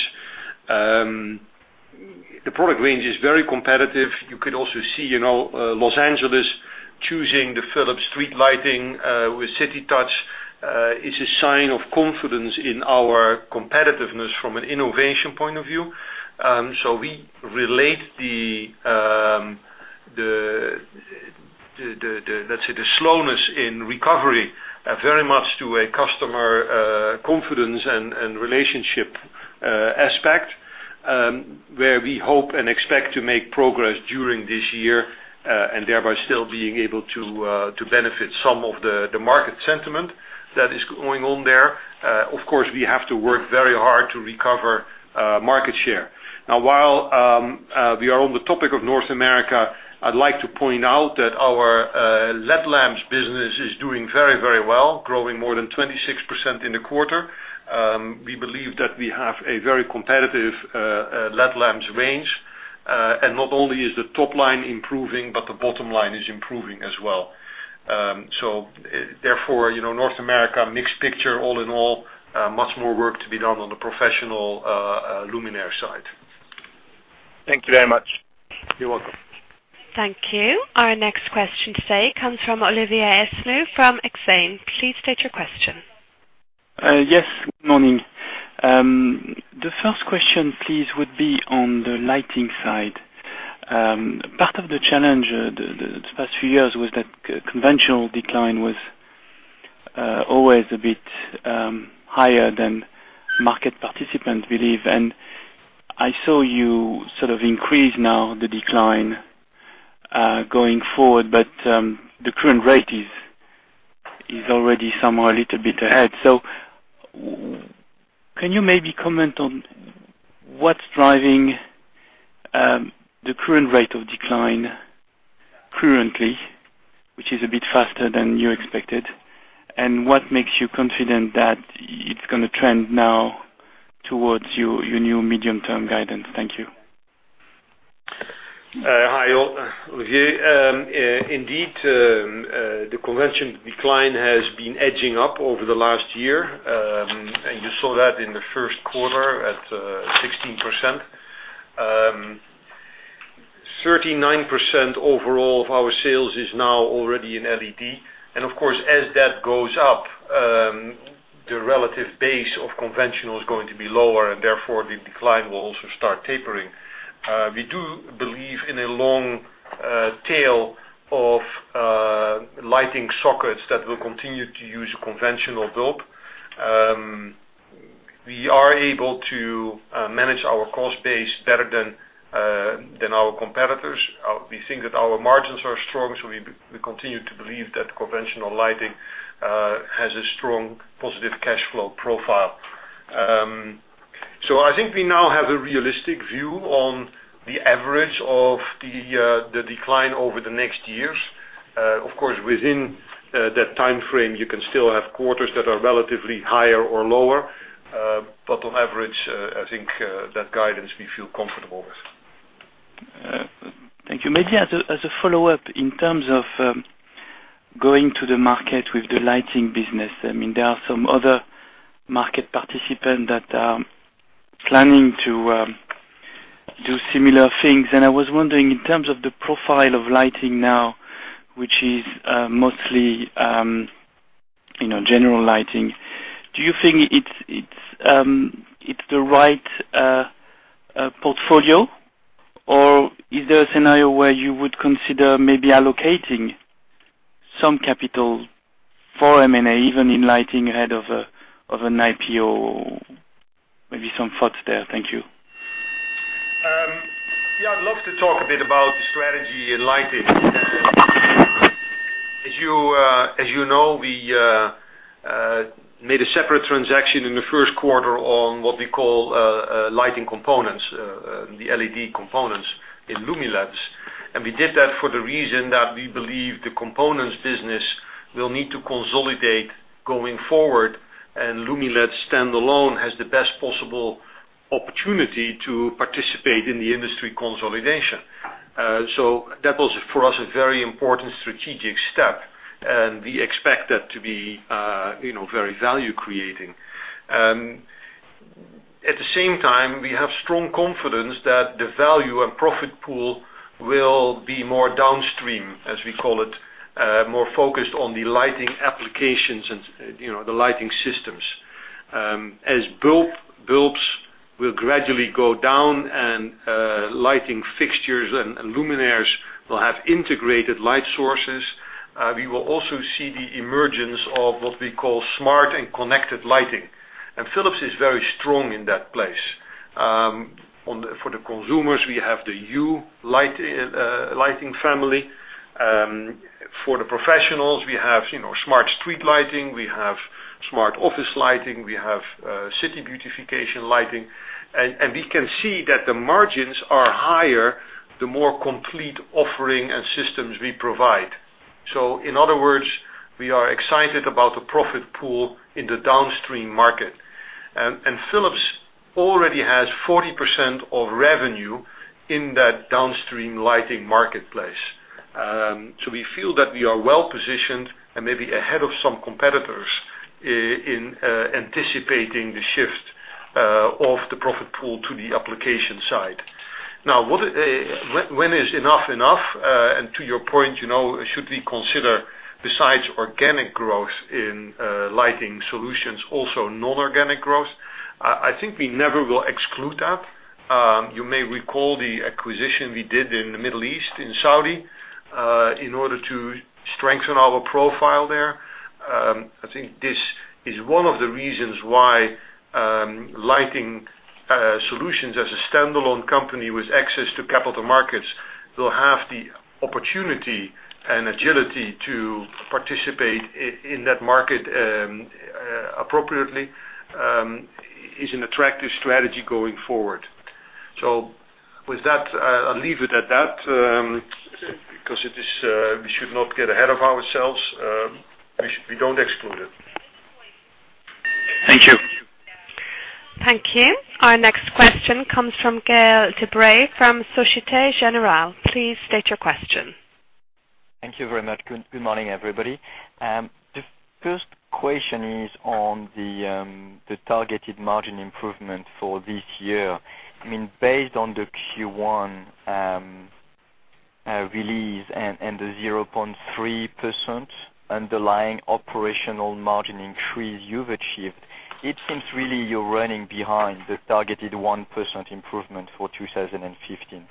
The product range is very competitive. You could also see Los Angeles choosing the Philips street lighting with CityTouch is a sign of confidence in our competitiveness from an innovation point of view. We relate the slowness in recovery very much to a customer confidence and relationship aspect, where we hope and expect to make progress during this year, and thereby still being able to benefit some of the market sentiment that is going on there. Of course, we have to work very hard to recover market share. While we are on the topic of North America, I'd like to point out that our LED lamps business is doing very well, growing more than 26% in the quarter. We believe that we have a very competitive LED lamps range. Not only is the top line improving, but the bottom line is improving as well. Therefore, North America, mixed picture all in all. Much more work to be done on the professional luminaire side. Thank you very much. You're welcome. Thank you. Our next question today comes from Olivier Esnou from Exane. Please state your question. Yes, good morning. The first question, please, would be on the lighting side. Part of the challenge the past few years was that conventional decline was always a bit higher than market participants believe. I saw you sort of increase now the decline going forward, but the current rate is already somehow a little bit ahead. Can you maybe comment on what's driving the current rate of decline currently, which is a bit faster than you expected, and what makes you confident that it's going to trend now towards your new medium-term guidance? Thank you. Hi, Olivier. Indeed, the conventional decline has been edging up over the last year, and you saw that in the first quarter at 16%. 39% overall of our sales is now already in LED. Of course, as that goes up, the relative base of conventional is going to be lower, and therefore the decline will also start tapering. We do believe in a long tail of lighting sockets that will continue to use a conventional bulb. We are able to manage our cost base better than our competitors. We think that our margins are strong, so we continue to believe that conventional lighting has a strong positive cash flow profile. I think we now have a realistic view on the average of the decline over the next years. Of course, within that time frame, you can still have quarters that are relatively higher or lower. On average, I think that guidance we feel comfortable with. Thank you. Maybe as a follow-up, in terms of going to the market with the lighting business, there are some other market participants that are planning to do similar things. I was wondering, in terms of the profile of lighting now, which is mostly general lighting, do you think it's the right portfolio, or is there a scenario where you would consider maybe allocating some capital for M&A, even in lighting ahead of an IPO? Maybe some thoughts there. Thank you. Yeah, I'd love to talk a bit about the strategy in lighting. As you know, we made a separate transaction in the first quarter on what we call lighting components, the LED components in Lumileds. We did that for the reason that we believe the components business will need to consolidate going forward, and Lumileds stand-alone has the best possible opportunity to participate in the industry consolidation. That was, for us, a very important strategic step, and we expect that to be very value creating. At the same time, we have strong confidence that the value and profit pool will be more downstream, as we call it, more focused on the lighting applications and the lighting systems. As bulbs will gradually go down and lighting fixtures and luminaires will have integrated light sources, we will also see the emergence of what we call smart and connected lighting. Philips is very strong in that place. For the consumers, we have the Hue lighting family. For the professionals, we have smart street lighting, we have smart office lighting, we have city beautification lighting. We can see that the margins are higher the more complete offering and systems we provide. In other words, we are excited about the profit pool in the downstream market. Philips already has 40% of revenue in that downstream lighting marketplace. We feel that we are well-positioned and maybe ahead of some competitors in anticipating the shift of the profit pool to the application side. Now, when is enough enough? To your point, should we consider, besides organic growth in Lighting Solutions, also non-organic growth? I think we never will exclude that. You may recall the acquisition we did in the Middle East, in Saudi, in order to strengthen our profile there. I think this is one of the reasons why Lighting Solutions as a standalone company with access to capital markets will have the opportunity and agility to participate in that market appropriately, is an attractive strategy going to forward. With that, I'll leave it at that, because we should not get ahead of ourselves. We don't exclude it. Thank you. Thank you. Our next question comes from Gaël Debray from Société Générale. Please state your question. Thank you very much. Good morning, everybody. The first question is on the targeted margin improvement for this year. Based on the Q1 release and the 0.3% underlying operational margin increase you've achieved, it seems really you're running behind the targeted 1% improvement for 2015.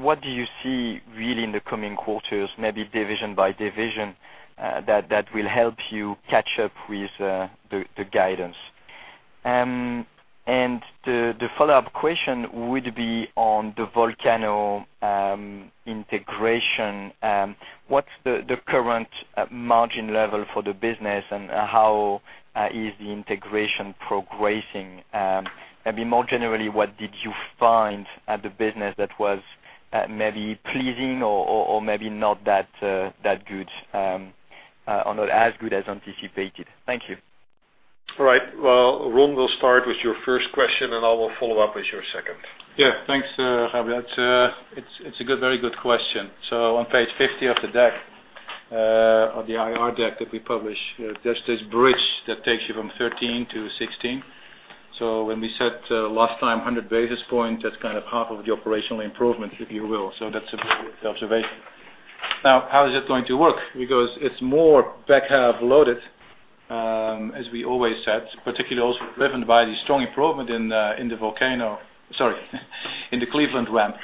What do you see really in the coming quarters, maybe division by division, that will help you catch up with the guidance? The follow-up question would be on the Volcano integration. What's the current margin level for the business, and how is the integration progressing? Maybe more generally, what did you find at the business that was maybe pleasing or maybe not that good or not as good as anticipated? Thank you. All right. Well, Ron will start with your first question. I will follow up with your second. Yeah, thanks, Gaël. It's a very good question. On page 50 of the IR deck that we publish, there's this bridge that takes you from 2013 to 2016. When we said last time 100 basis points, that's kind of half of the operational improvement, if you will. That's a good observation. How is it going to work? It's more back half loaded, as we always said, particularly also driven by the strong improvement in the Cleveland ramp.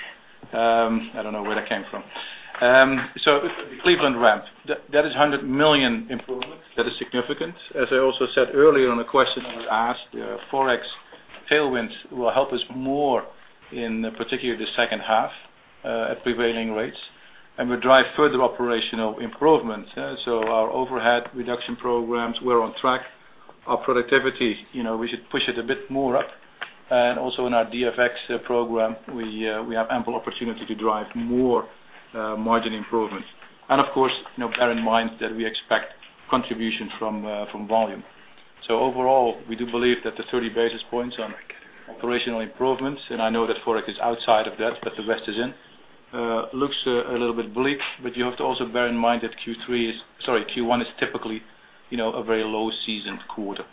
Cleveland ramp. That is 100 million improvement. That is significant. As I also said earlier on a question that was asked, Forex tailwinds will help us more in particular the second half, at prevailing rates, and will drive further operational improvements. Our overhead reduction programs, we're on track. Our productivity, we should push it a bit more up. Also in our DfX program, we have ample opportunity to drive more margin improvements. Of course, bear in mind that we expect contribution from volume. Overall, we do believe that the 30 basis points on operational improvements, and I know that Forex is outside of that, the rest is in. Looks a little bit bleak, you have to also bear in mind that Q1 is typically a very low seasoned quarter.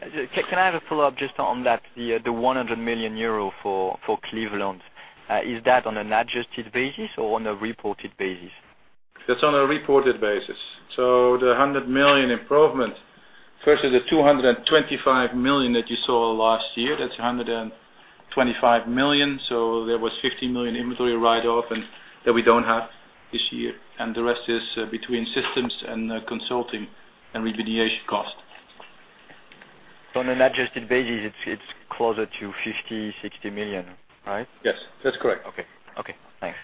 Can I have a follow-up just on that, the 100 million euro for Cleveland? Is that on an adjusted basis or on a reported basis? That's on a reported basis. The 100 million improvement versus the 225 million that you saw last year, that's 125 million, so there was 50 million inventory write-off that we don't have this year. The rest is between systems and consulting and remediation costs. On an adjusted basis, it's closer to 50 million, 60 million, right? Yes, that's correct. Okay. Thanks.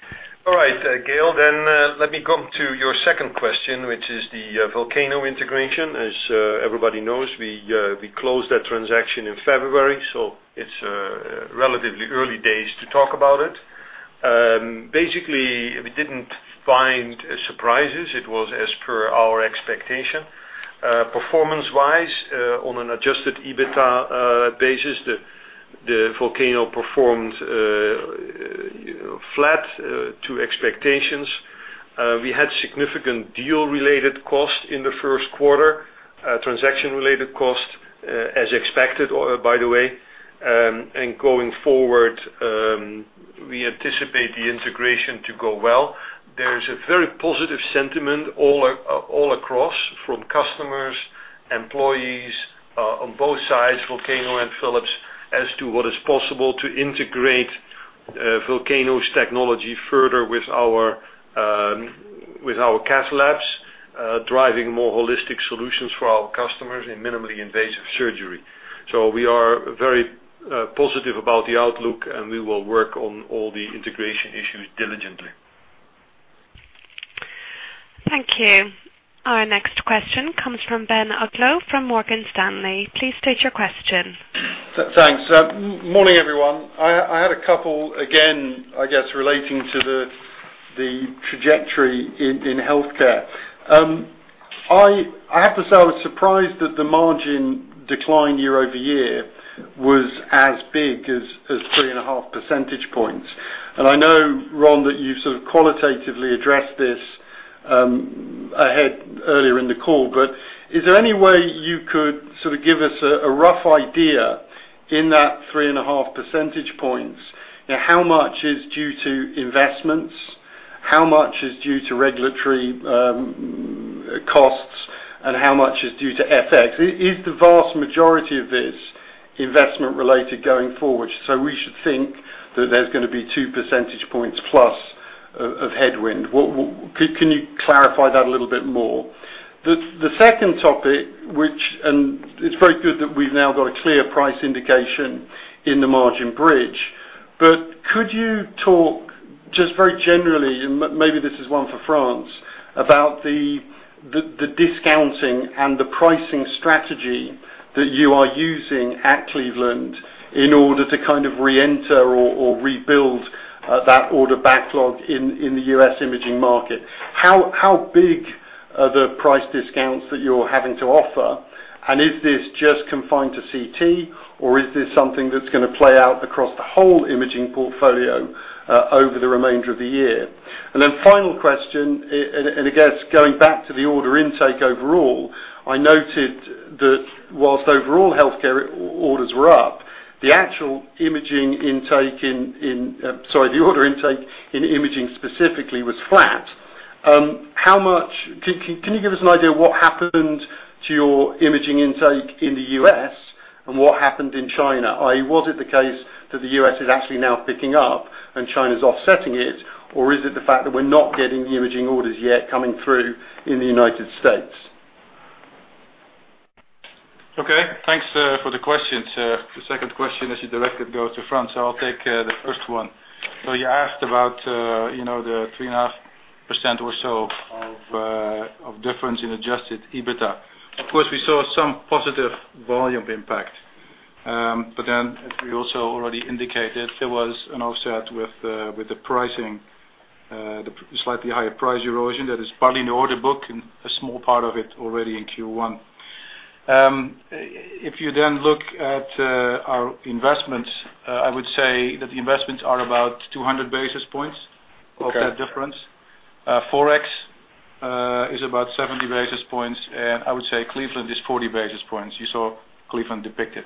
All right, Gaël, then let me come to your second question, which is the Volcano integration. As everybody knows, we closed that transaction in February, so it's relatively early days to talk about it. Basically, we didn't find surprises. It was as per our expectation. Performance-wise, on an adjusted EBITA basis, the Volcano performed flat to expectations. We had significant deal-related costs in the first quarter, transaction-related costs, as expected, by the way. Going forward, we anticipate the integration to go well. There's a very positive sentiment all across, from customers, employees, on both sides, Volcano and Philips, as to what is possible to integrate Volcano's technology further with our cath labs, driving more holistic solutions for our customers in minimally invasive surgery. We are very positive about the outlook, and we will work on all the integration issues diligently. Thank you. Our next question comes from Ben Uglow from Morgan Stanley. Please state your question. Thanks. Morning, everyone. I had a couple again, I guess, relating to the trajectory in healthcare. I have to say, I was surprised that the margin decline year-over-year was as big as three and a half percentage points. I know, Ron, that you sort of qualitatively addressed this ahead earlier in the call. Is there any way you could sort of give us a rough idea in that three and a half percentage points, how much is due to investments, how much is due to regulatory costs, and how much is due to FX? Is the vast majority of this investment related going forward, so we should think that there's going to be two percentage points plus of headwind? Can you clarify that a little bit more? The second topic, it's very good that we've now got a clear price indication in the margin bridge, could you talk just very generally, and maybe this is one for Frans, about the discounting and the pricing strategy that you are using at Cleveland in order to kind of reenter or rebuild that order backlog in the U.S. imaging market. How big are the price discounts that you're having to offer? Is this just confined to CT or is this something that's going to play out across the whole imaging portfolio over the remainder of the year? Final question, I guess, going back to the order intake overall, I noted that whilst overall healthcare orders were up, the order intake in imaging specifically was flat. Can you give us an idea of what happened to your imaging intake in the U.S. and what happened in China? Was it the case that the U.S. is actually now picking up and China's offsetting it, or is it the fact that we're not getting the imaging orders yet coming through in the United States? Okay. Thanks for the questions. The second question, I see directly goes to Frans. I'll take the first one. You asked about the 3.5% or so of difference in adjusted EBITA. Of course, we saw some positive volume impact. As we also already indicated, there was an offset with the pricing, the slightly higher price erosion that is partly in the order book, and a small part of it already in Q1. If you then look at our investments, I would say that the investments are about 200 basis points of that difference. Okay. Forex is about 70 basis points. I would say Cleveland is 40 basis points. You saw Cleveland depicted.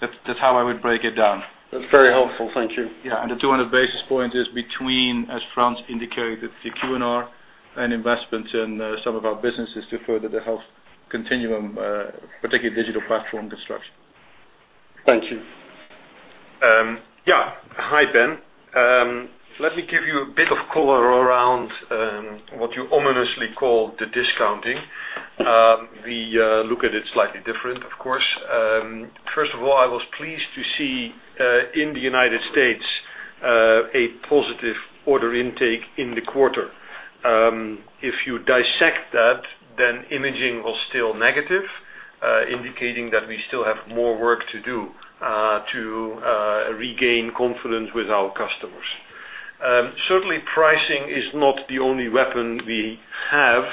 That's how I would break it down. That's very helpful. Thank you. Yeah. The 200 basis points is between, as Frans indicated, the Q&R and investments in some of our businesses to further the health continuum, particularly digital platform construction. Thank you. Yeah. Hi, Ben. Let me give you a bit of color around what you ominously call the discounting. We look at it slightly different, of course. First of all, I was pleased to see, in the U.S., a positive order intake in the quarter. If you dissect that, imaging was still negative, indicating that we still have more work to do to regain confidence with our customers. Certainly, pricing is not the only weapon we have.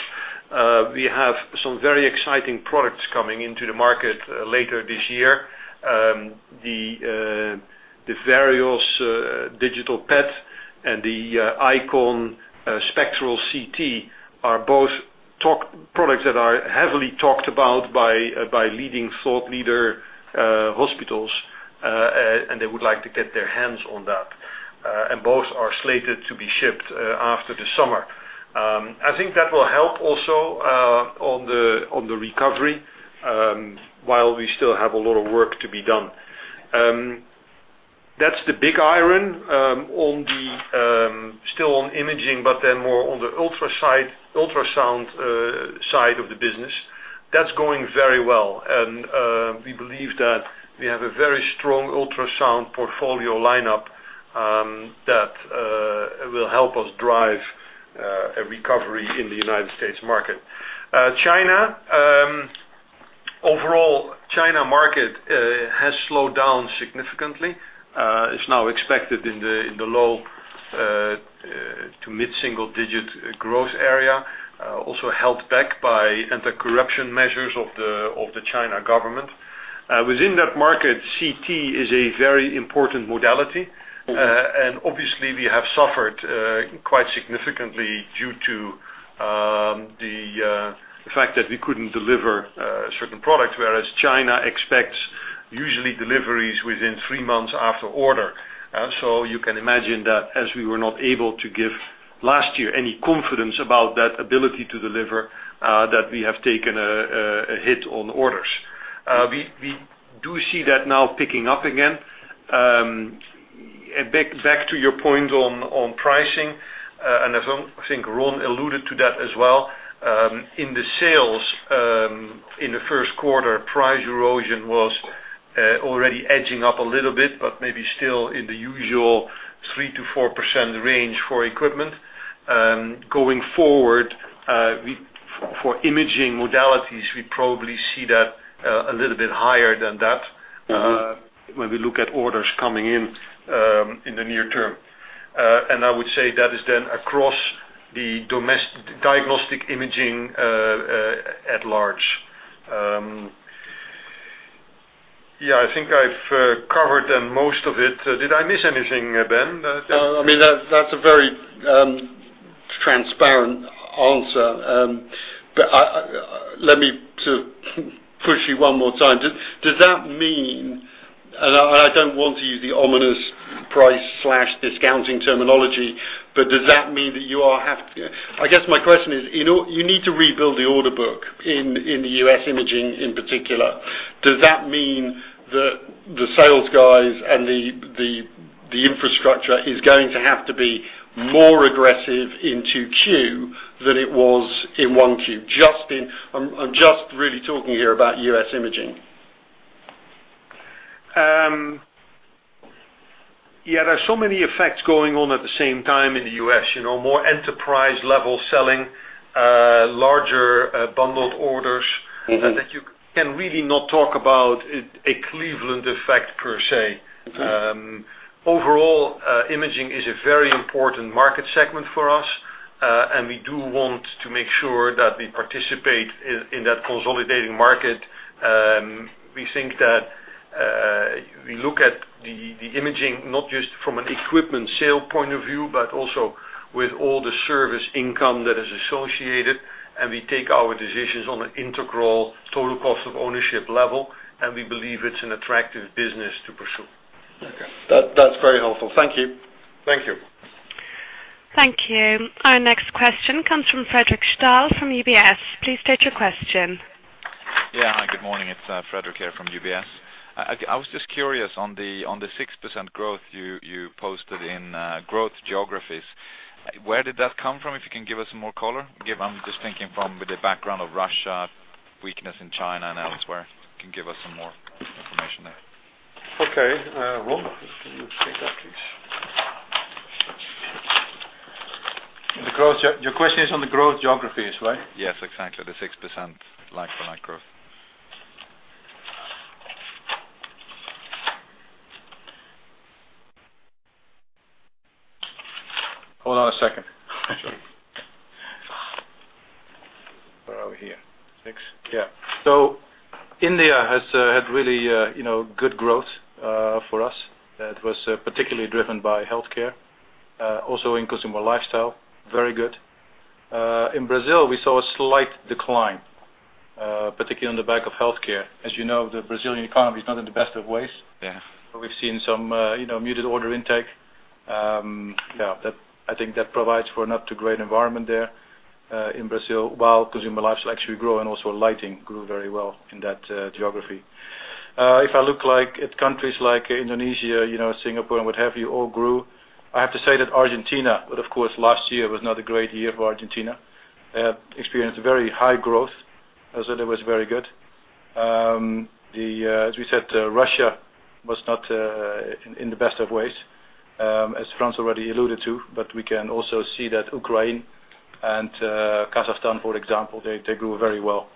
We have some very exciting products coming into the market later this year. The Vereos digital PET and the IQon Spectral CT are both products that are heavily talked about by leading thought leader hospitals, and they would like to get their hands on that. Both are slated to be shipped after the summer. I think that will help also on the recovery, while we still have a lot of work to be done. That's the big iron. Still on imaging, but more on the ultrasound side of the business, that's going very well. We believe that we have a very strong ultrasound portfolio lineup that will help us drive a recovery in the U.S. market. China. Overall, China market has slowed down significantly. It's now expected in the low to mid-single-digit growth area, also held back by anti-corruption measures of the China government. Within that market, CT is a very important modality. Obviously, we have suffered quite significantly due to the fact that we couldn't deliver a certain product, whereas China expects usually deliveries within three months after order. You can imagine that as we were not able to give last year any confidence about that ability to deliver, that we have taken a hit on orders. We do see that now picking up again. Back to your point on pricing, I think Ron alluded to that as well. In the sales in the 1st quarter, price erosion was already edging up a little bit, but maybe still in the usual 3%-4% range for equipment. Going forward, for imaging modalities, we probably see that a little bit higher than that- when we look at orders coming in the near term. I would say that is across the diagnostic imaging at large. Yeah, I think I've covered most of it. Did I miss anything, Ben? No. That's a very transparent answer. Let me sort of push you one more time. Does that mean, and I don't want to use the ominous price/discounting terminology, but does that mean that I guess my question is, you need to rebuild the order book in the U.S. imaging in particular. Does that mean that the sales guys and the infrastructure is going to have to be more aggressive into Q than it was in 1Q? I'm just really talking here about U.S. imaging. Yeah, there are so many effects going on at the same time in the U.S. More enterprise-level selling, larger bundled orders- that you can really not talk about a Cleveland effect per se. Okay. Overall, imaging is a very important market segment for us. We do want to make sure that we participate in that consolidating market. We think that we look at the imaging not just from an equipment sale point of view, but also with all the service income that is associated. We take our decisions on an integral total cost of ownership level, and we believe it's an attractive business to pursue. Okay. That's very helpful. Thank you. Thank you. Thank you. Our next question comes from Fredric Stahl from UBS. Please state your question. Hi, good morning. It's Fredric here from UBS. I was just curious on the 6% growth you posted in growth geographies. Where did that come from? If you can give us some more color. I'm just thinking from with the background of Russia, weakness in China, and elsewhere. Can you give us some more information there? Okay. Ron, can you take that, please? Your question is on the growth geographies, right? Yes, exactly. The 6% like-for-like growth. Hold on a second. Where are we here? Six. India has had really good growth for us. That was particularly driven by healthcare, also in Consumer Lifestyle, very good. In Brazil, we saw a slight decline, particularly on the back of healthcare. As you know, the Brazilian economy is not in the best of ways. Yeah. We've seen some muted order intake. I think that provides for a not too great environment there, in Brazil, while Consumer Lifestyle actually grew and also lighting grew very well in that geography. If I look at countries like Indonesia, Singapore and what have you, all grew. I have to say that Argentina, but of course last year was not a great year for Argentina, experienced very high growth, so that was very good. As we said, Russia was not in the best of ways, as Frans already alluded to. We can also see that Ukraine and Kazakhstan, for example, they grew very well.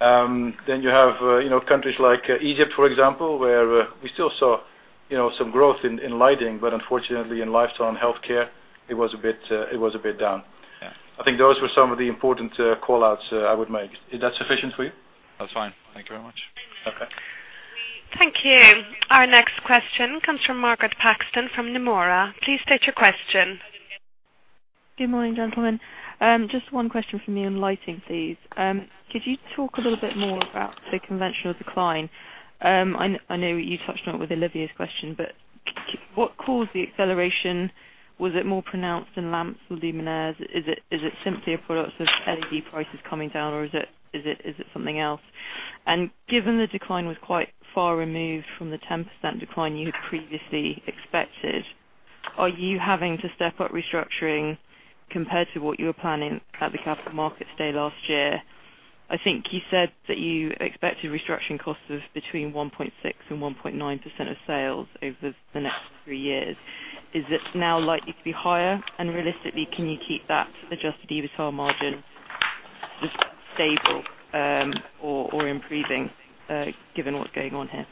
You have countries like Egypt, for example, where we still saw some growth in lighting, but unfortunately in lifestyle and healthcare it was a bit down. Yeah. I think those were some of the important call-outs I would make. Is that sufficient for you? That's fine. Thank you very much. Okay. Thank you. Our next question comes from Margaret Paxton from Nomura. Please state your question. Good morning, gentlemen. Just one question for me on lighting, please. Could you talk a little bit more about the conventional decline? I know you touched on it with Olivier's question, but what caused the acceleration? Was it more pronounced in lamps or luminaires? Is it simply a product of LED prices coming down, or is it something else? Given the decline was quite far removed from the 10% decline you had previously expected, are you having to step up restructuring compared to what you were planning at the capital markets day last year? I think you said that you expected restructuring costs of between 1.6% and 1.9% of sales over the next three years. Is it now likely to be higher? Realistically, can you keep that adjusted EBITDA margin just stable or improving, given what's going on here?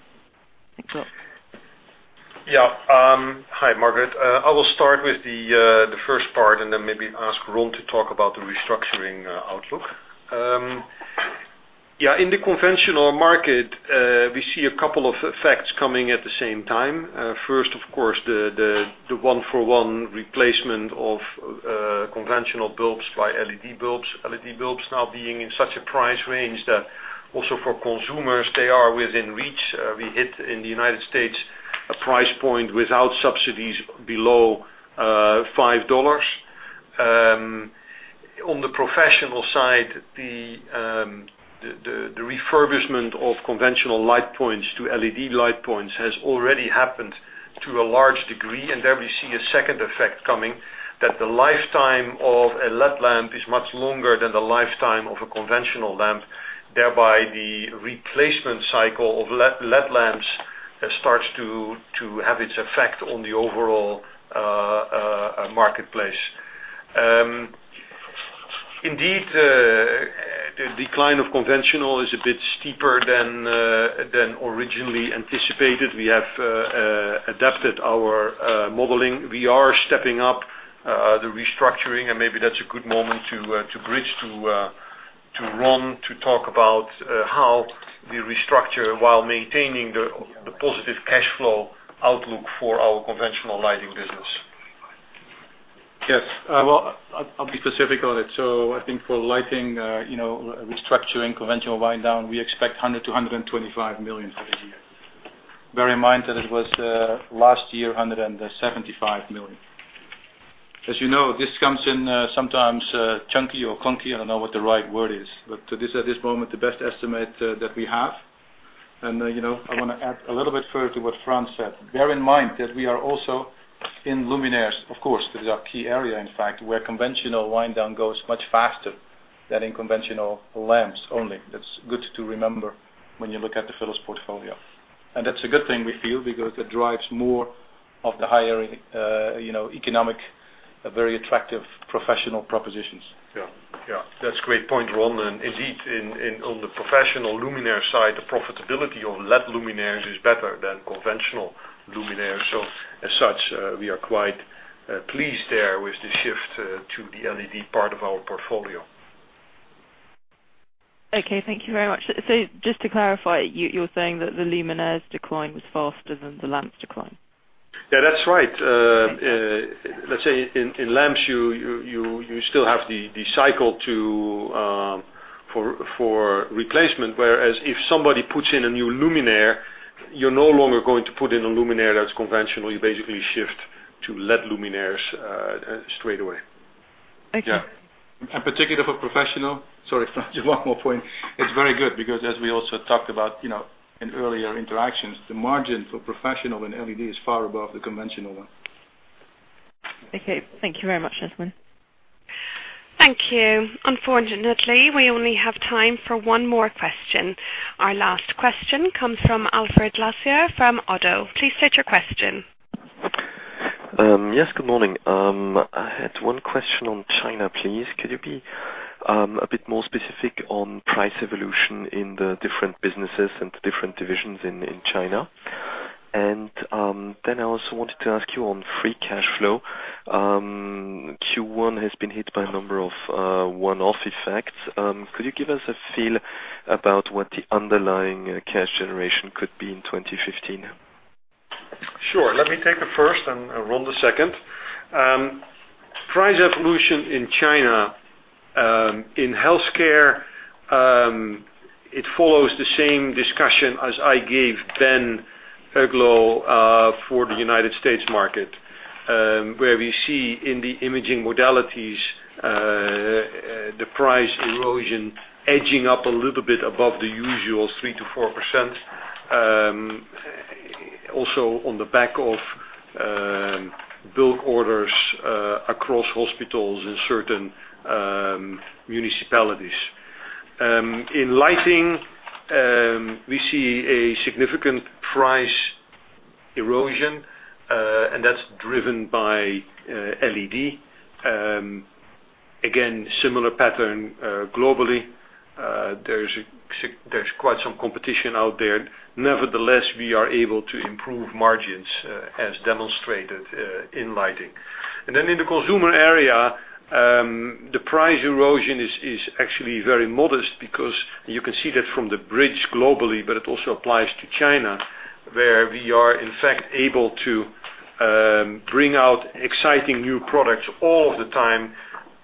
Thanks a lot. Yeah. Hi, Margaret. I will start with the first part and then maybe ask Ron to talk about the restructuring outlook. Yeah, in the conventional market, we see a couple of effects coming at the same time. First, of course, the one-for-one replacement of conventional bulbs by LED bulbs. LED bulbs now being in such a price range that also for consumers, they are within reach. We hit, in the U.S., a price point without subsidies below $5. On the professional side, the refurbishment of conventional light points to LED light points has already happened to a large degree. There we see a second effect coming that the lifetime of an LED lamp is much longer than the lifetime of a conventional lamp. Thereby, the replacement cycle of LED lamps starts to have its effect on the overall marketplace. Indeed, the decline of conventional is a bit steeper than originally anticipated. We have adapted our modeling. We are stepping up the restructuring, and maybe that's a good moment to bridge to Ron to talk about how we restructure while maintaining the positive cash flow outlook for our conventional lighting business. Yes. Well, I'll be specific on it. I think for lighting, restructuring, conventional wind down, we expect 100 million-125 million for this year. Bear in mind that it was last year, 175 million. As you know, this comes in sometimes chunky or clunky. I don't know what the right word is. But this, at this moment, the best estimate that we have. I want to add a little bit further to what Frans said. Bear in mind that we are also in luminaires. Of course, this is our key area, in fact, where conventional wind down goes much faster than in conventional lamps only. That's good to remember when you look at the Philips portfolio. That's a good thing we feel, because it drives more of the higher economic, very attractive professional propositions. Yeah. Yeah, that's a great point, Ron. Indeed, on the professional luminaire side, the profitability of LED luminaires is better than conventional luminaires. As such, we are quite pleased there with the shift to the LED part of our portfolio. Okay, thank you very much. Just to clarify, you're saying that the luminaire's decline was faster than the lamp's decline? Yeah, that's right. Let's say in lamps, you still have the cycle for replacement, whereas if somebody puts in a new luminaire, you're no longer going to put in a luminaire that's conventional. You basically shift to LED luminaires straight away. Thank you. Yeah. Particularly for professional, sorry, Frans, just one more point. It's very good because as we also talked about in earlier interactions, the margin for professional in LED is far above the conventional one. Okay. Thank you very much, [Basman]. Thank you. Unfortunately, we only have time for one more question. Our last question comes from Alfred Glaser from Oddo. Please state your question. Yes, good morning. I had one question on China, please. Could you be a bit more specific on price evolution in the different businesses and the different divisions in China? Then I also wanted to ask you on free cash flow. Q1 has been hit by a number of one-off effects. Could you give us a feel about what the underlying cash generation could be in 2015? Sure. Let me take the first and Ron, the second. Price evolution in China. In healthcare, it follows the same discussion as I gave then, Uglow, for the U.S. market, where we see in the imaging modalities, the price erosion edging up a little bit above the usual 3%-4%. Also, on the back of bulk orders across hospitals in certain municipalities. In lighting, we see a significant price erosion, and that's driven by LED. Again, similar pattern globally. There's quite some competition out there. Nevertheless, we are able to improve margins, as demonstrated in lighting. In the consumer area, the price erosion is actually very modest because you can see that from the bridge globally, but it also applies to China, where we are, in fact, able to bring out exciting new products all of the time,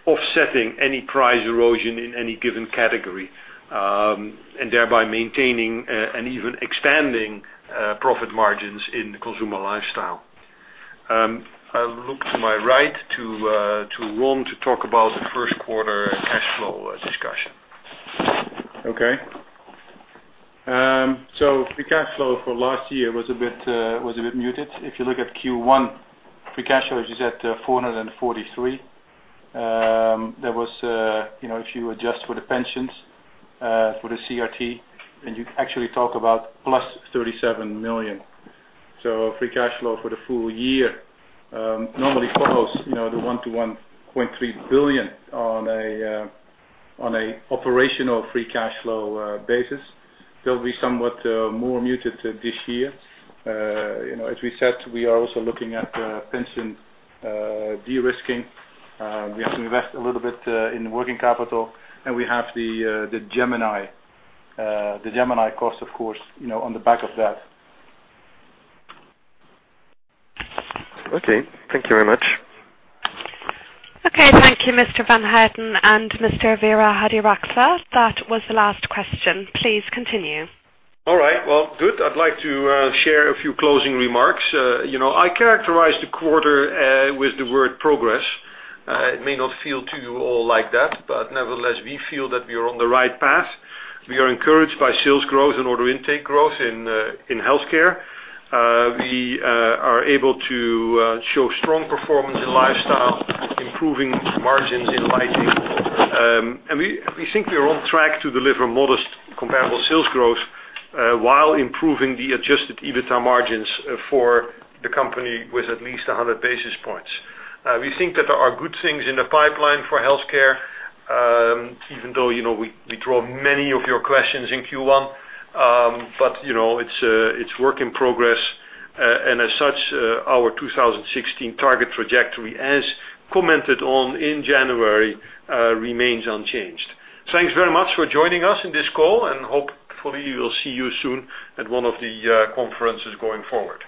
offsetting any price erosion in any given category, and thereby maintaining and even expanding profit margins in Consumer Lifestyle. I look to my right to Ron to talk about the first quarter cash flow discussion. Free cash flow for last year was a bit muted. If you look at Q1, free cash flow is at 443. If you adjust for the pensions, for the CRT, you actually talk about plus 37 million. Free cash flow for the full year normally follows the 1 billion-1.3 billion on an operational free cash flow basis. They will be somewhat more muted this year. As we said, we are also looking at pension de-risking. We have to invest a little bit in working capital, and we have the Gemini cost, of course, on the back of that. Thank you very much. Thank you, Mr. Van Houten and Mr. Wirahadiraksa. That was the last question. Please continue. All right. Well, good. I'd like to share a few closing remarks. I characterize the quarter with the word progress. It may not feel to you all like that, but nevertheless, we feel that we are on the right path. We are encouraged by sales growth and order intake growth in healthcare. We are able to show strong performance in Consumer Lifestyle, improving margins in Philips Lighting. We think we are on track to deliver modest comparable sales growth, while improving the adjusted EBITA margins for the company with at least 100 basis points. We think that there are good things in the pipeline for healthcare, even though we draw many of your questions in Q1. It's work in progress. As such, our 2016 target trajectory, as commented on in January, remains unchanged. Thanks very much for joining us on this call, and hopefully, we will see you soon at one of the conferences going forward.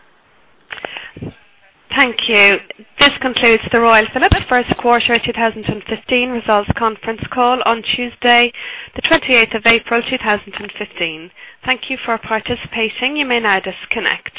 Thank you. This concludes the Royal Philips First Quarter 2015 Results Conference Call on Tuesday, the 28th of April, 2015. Thank you for participating. You may now disconnect.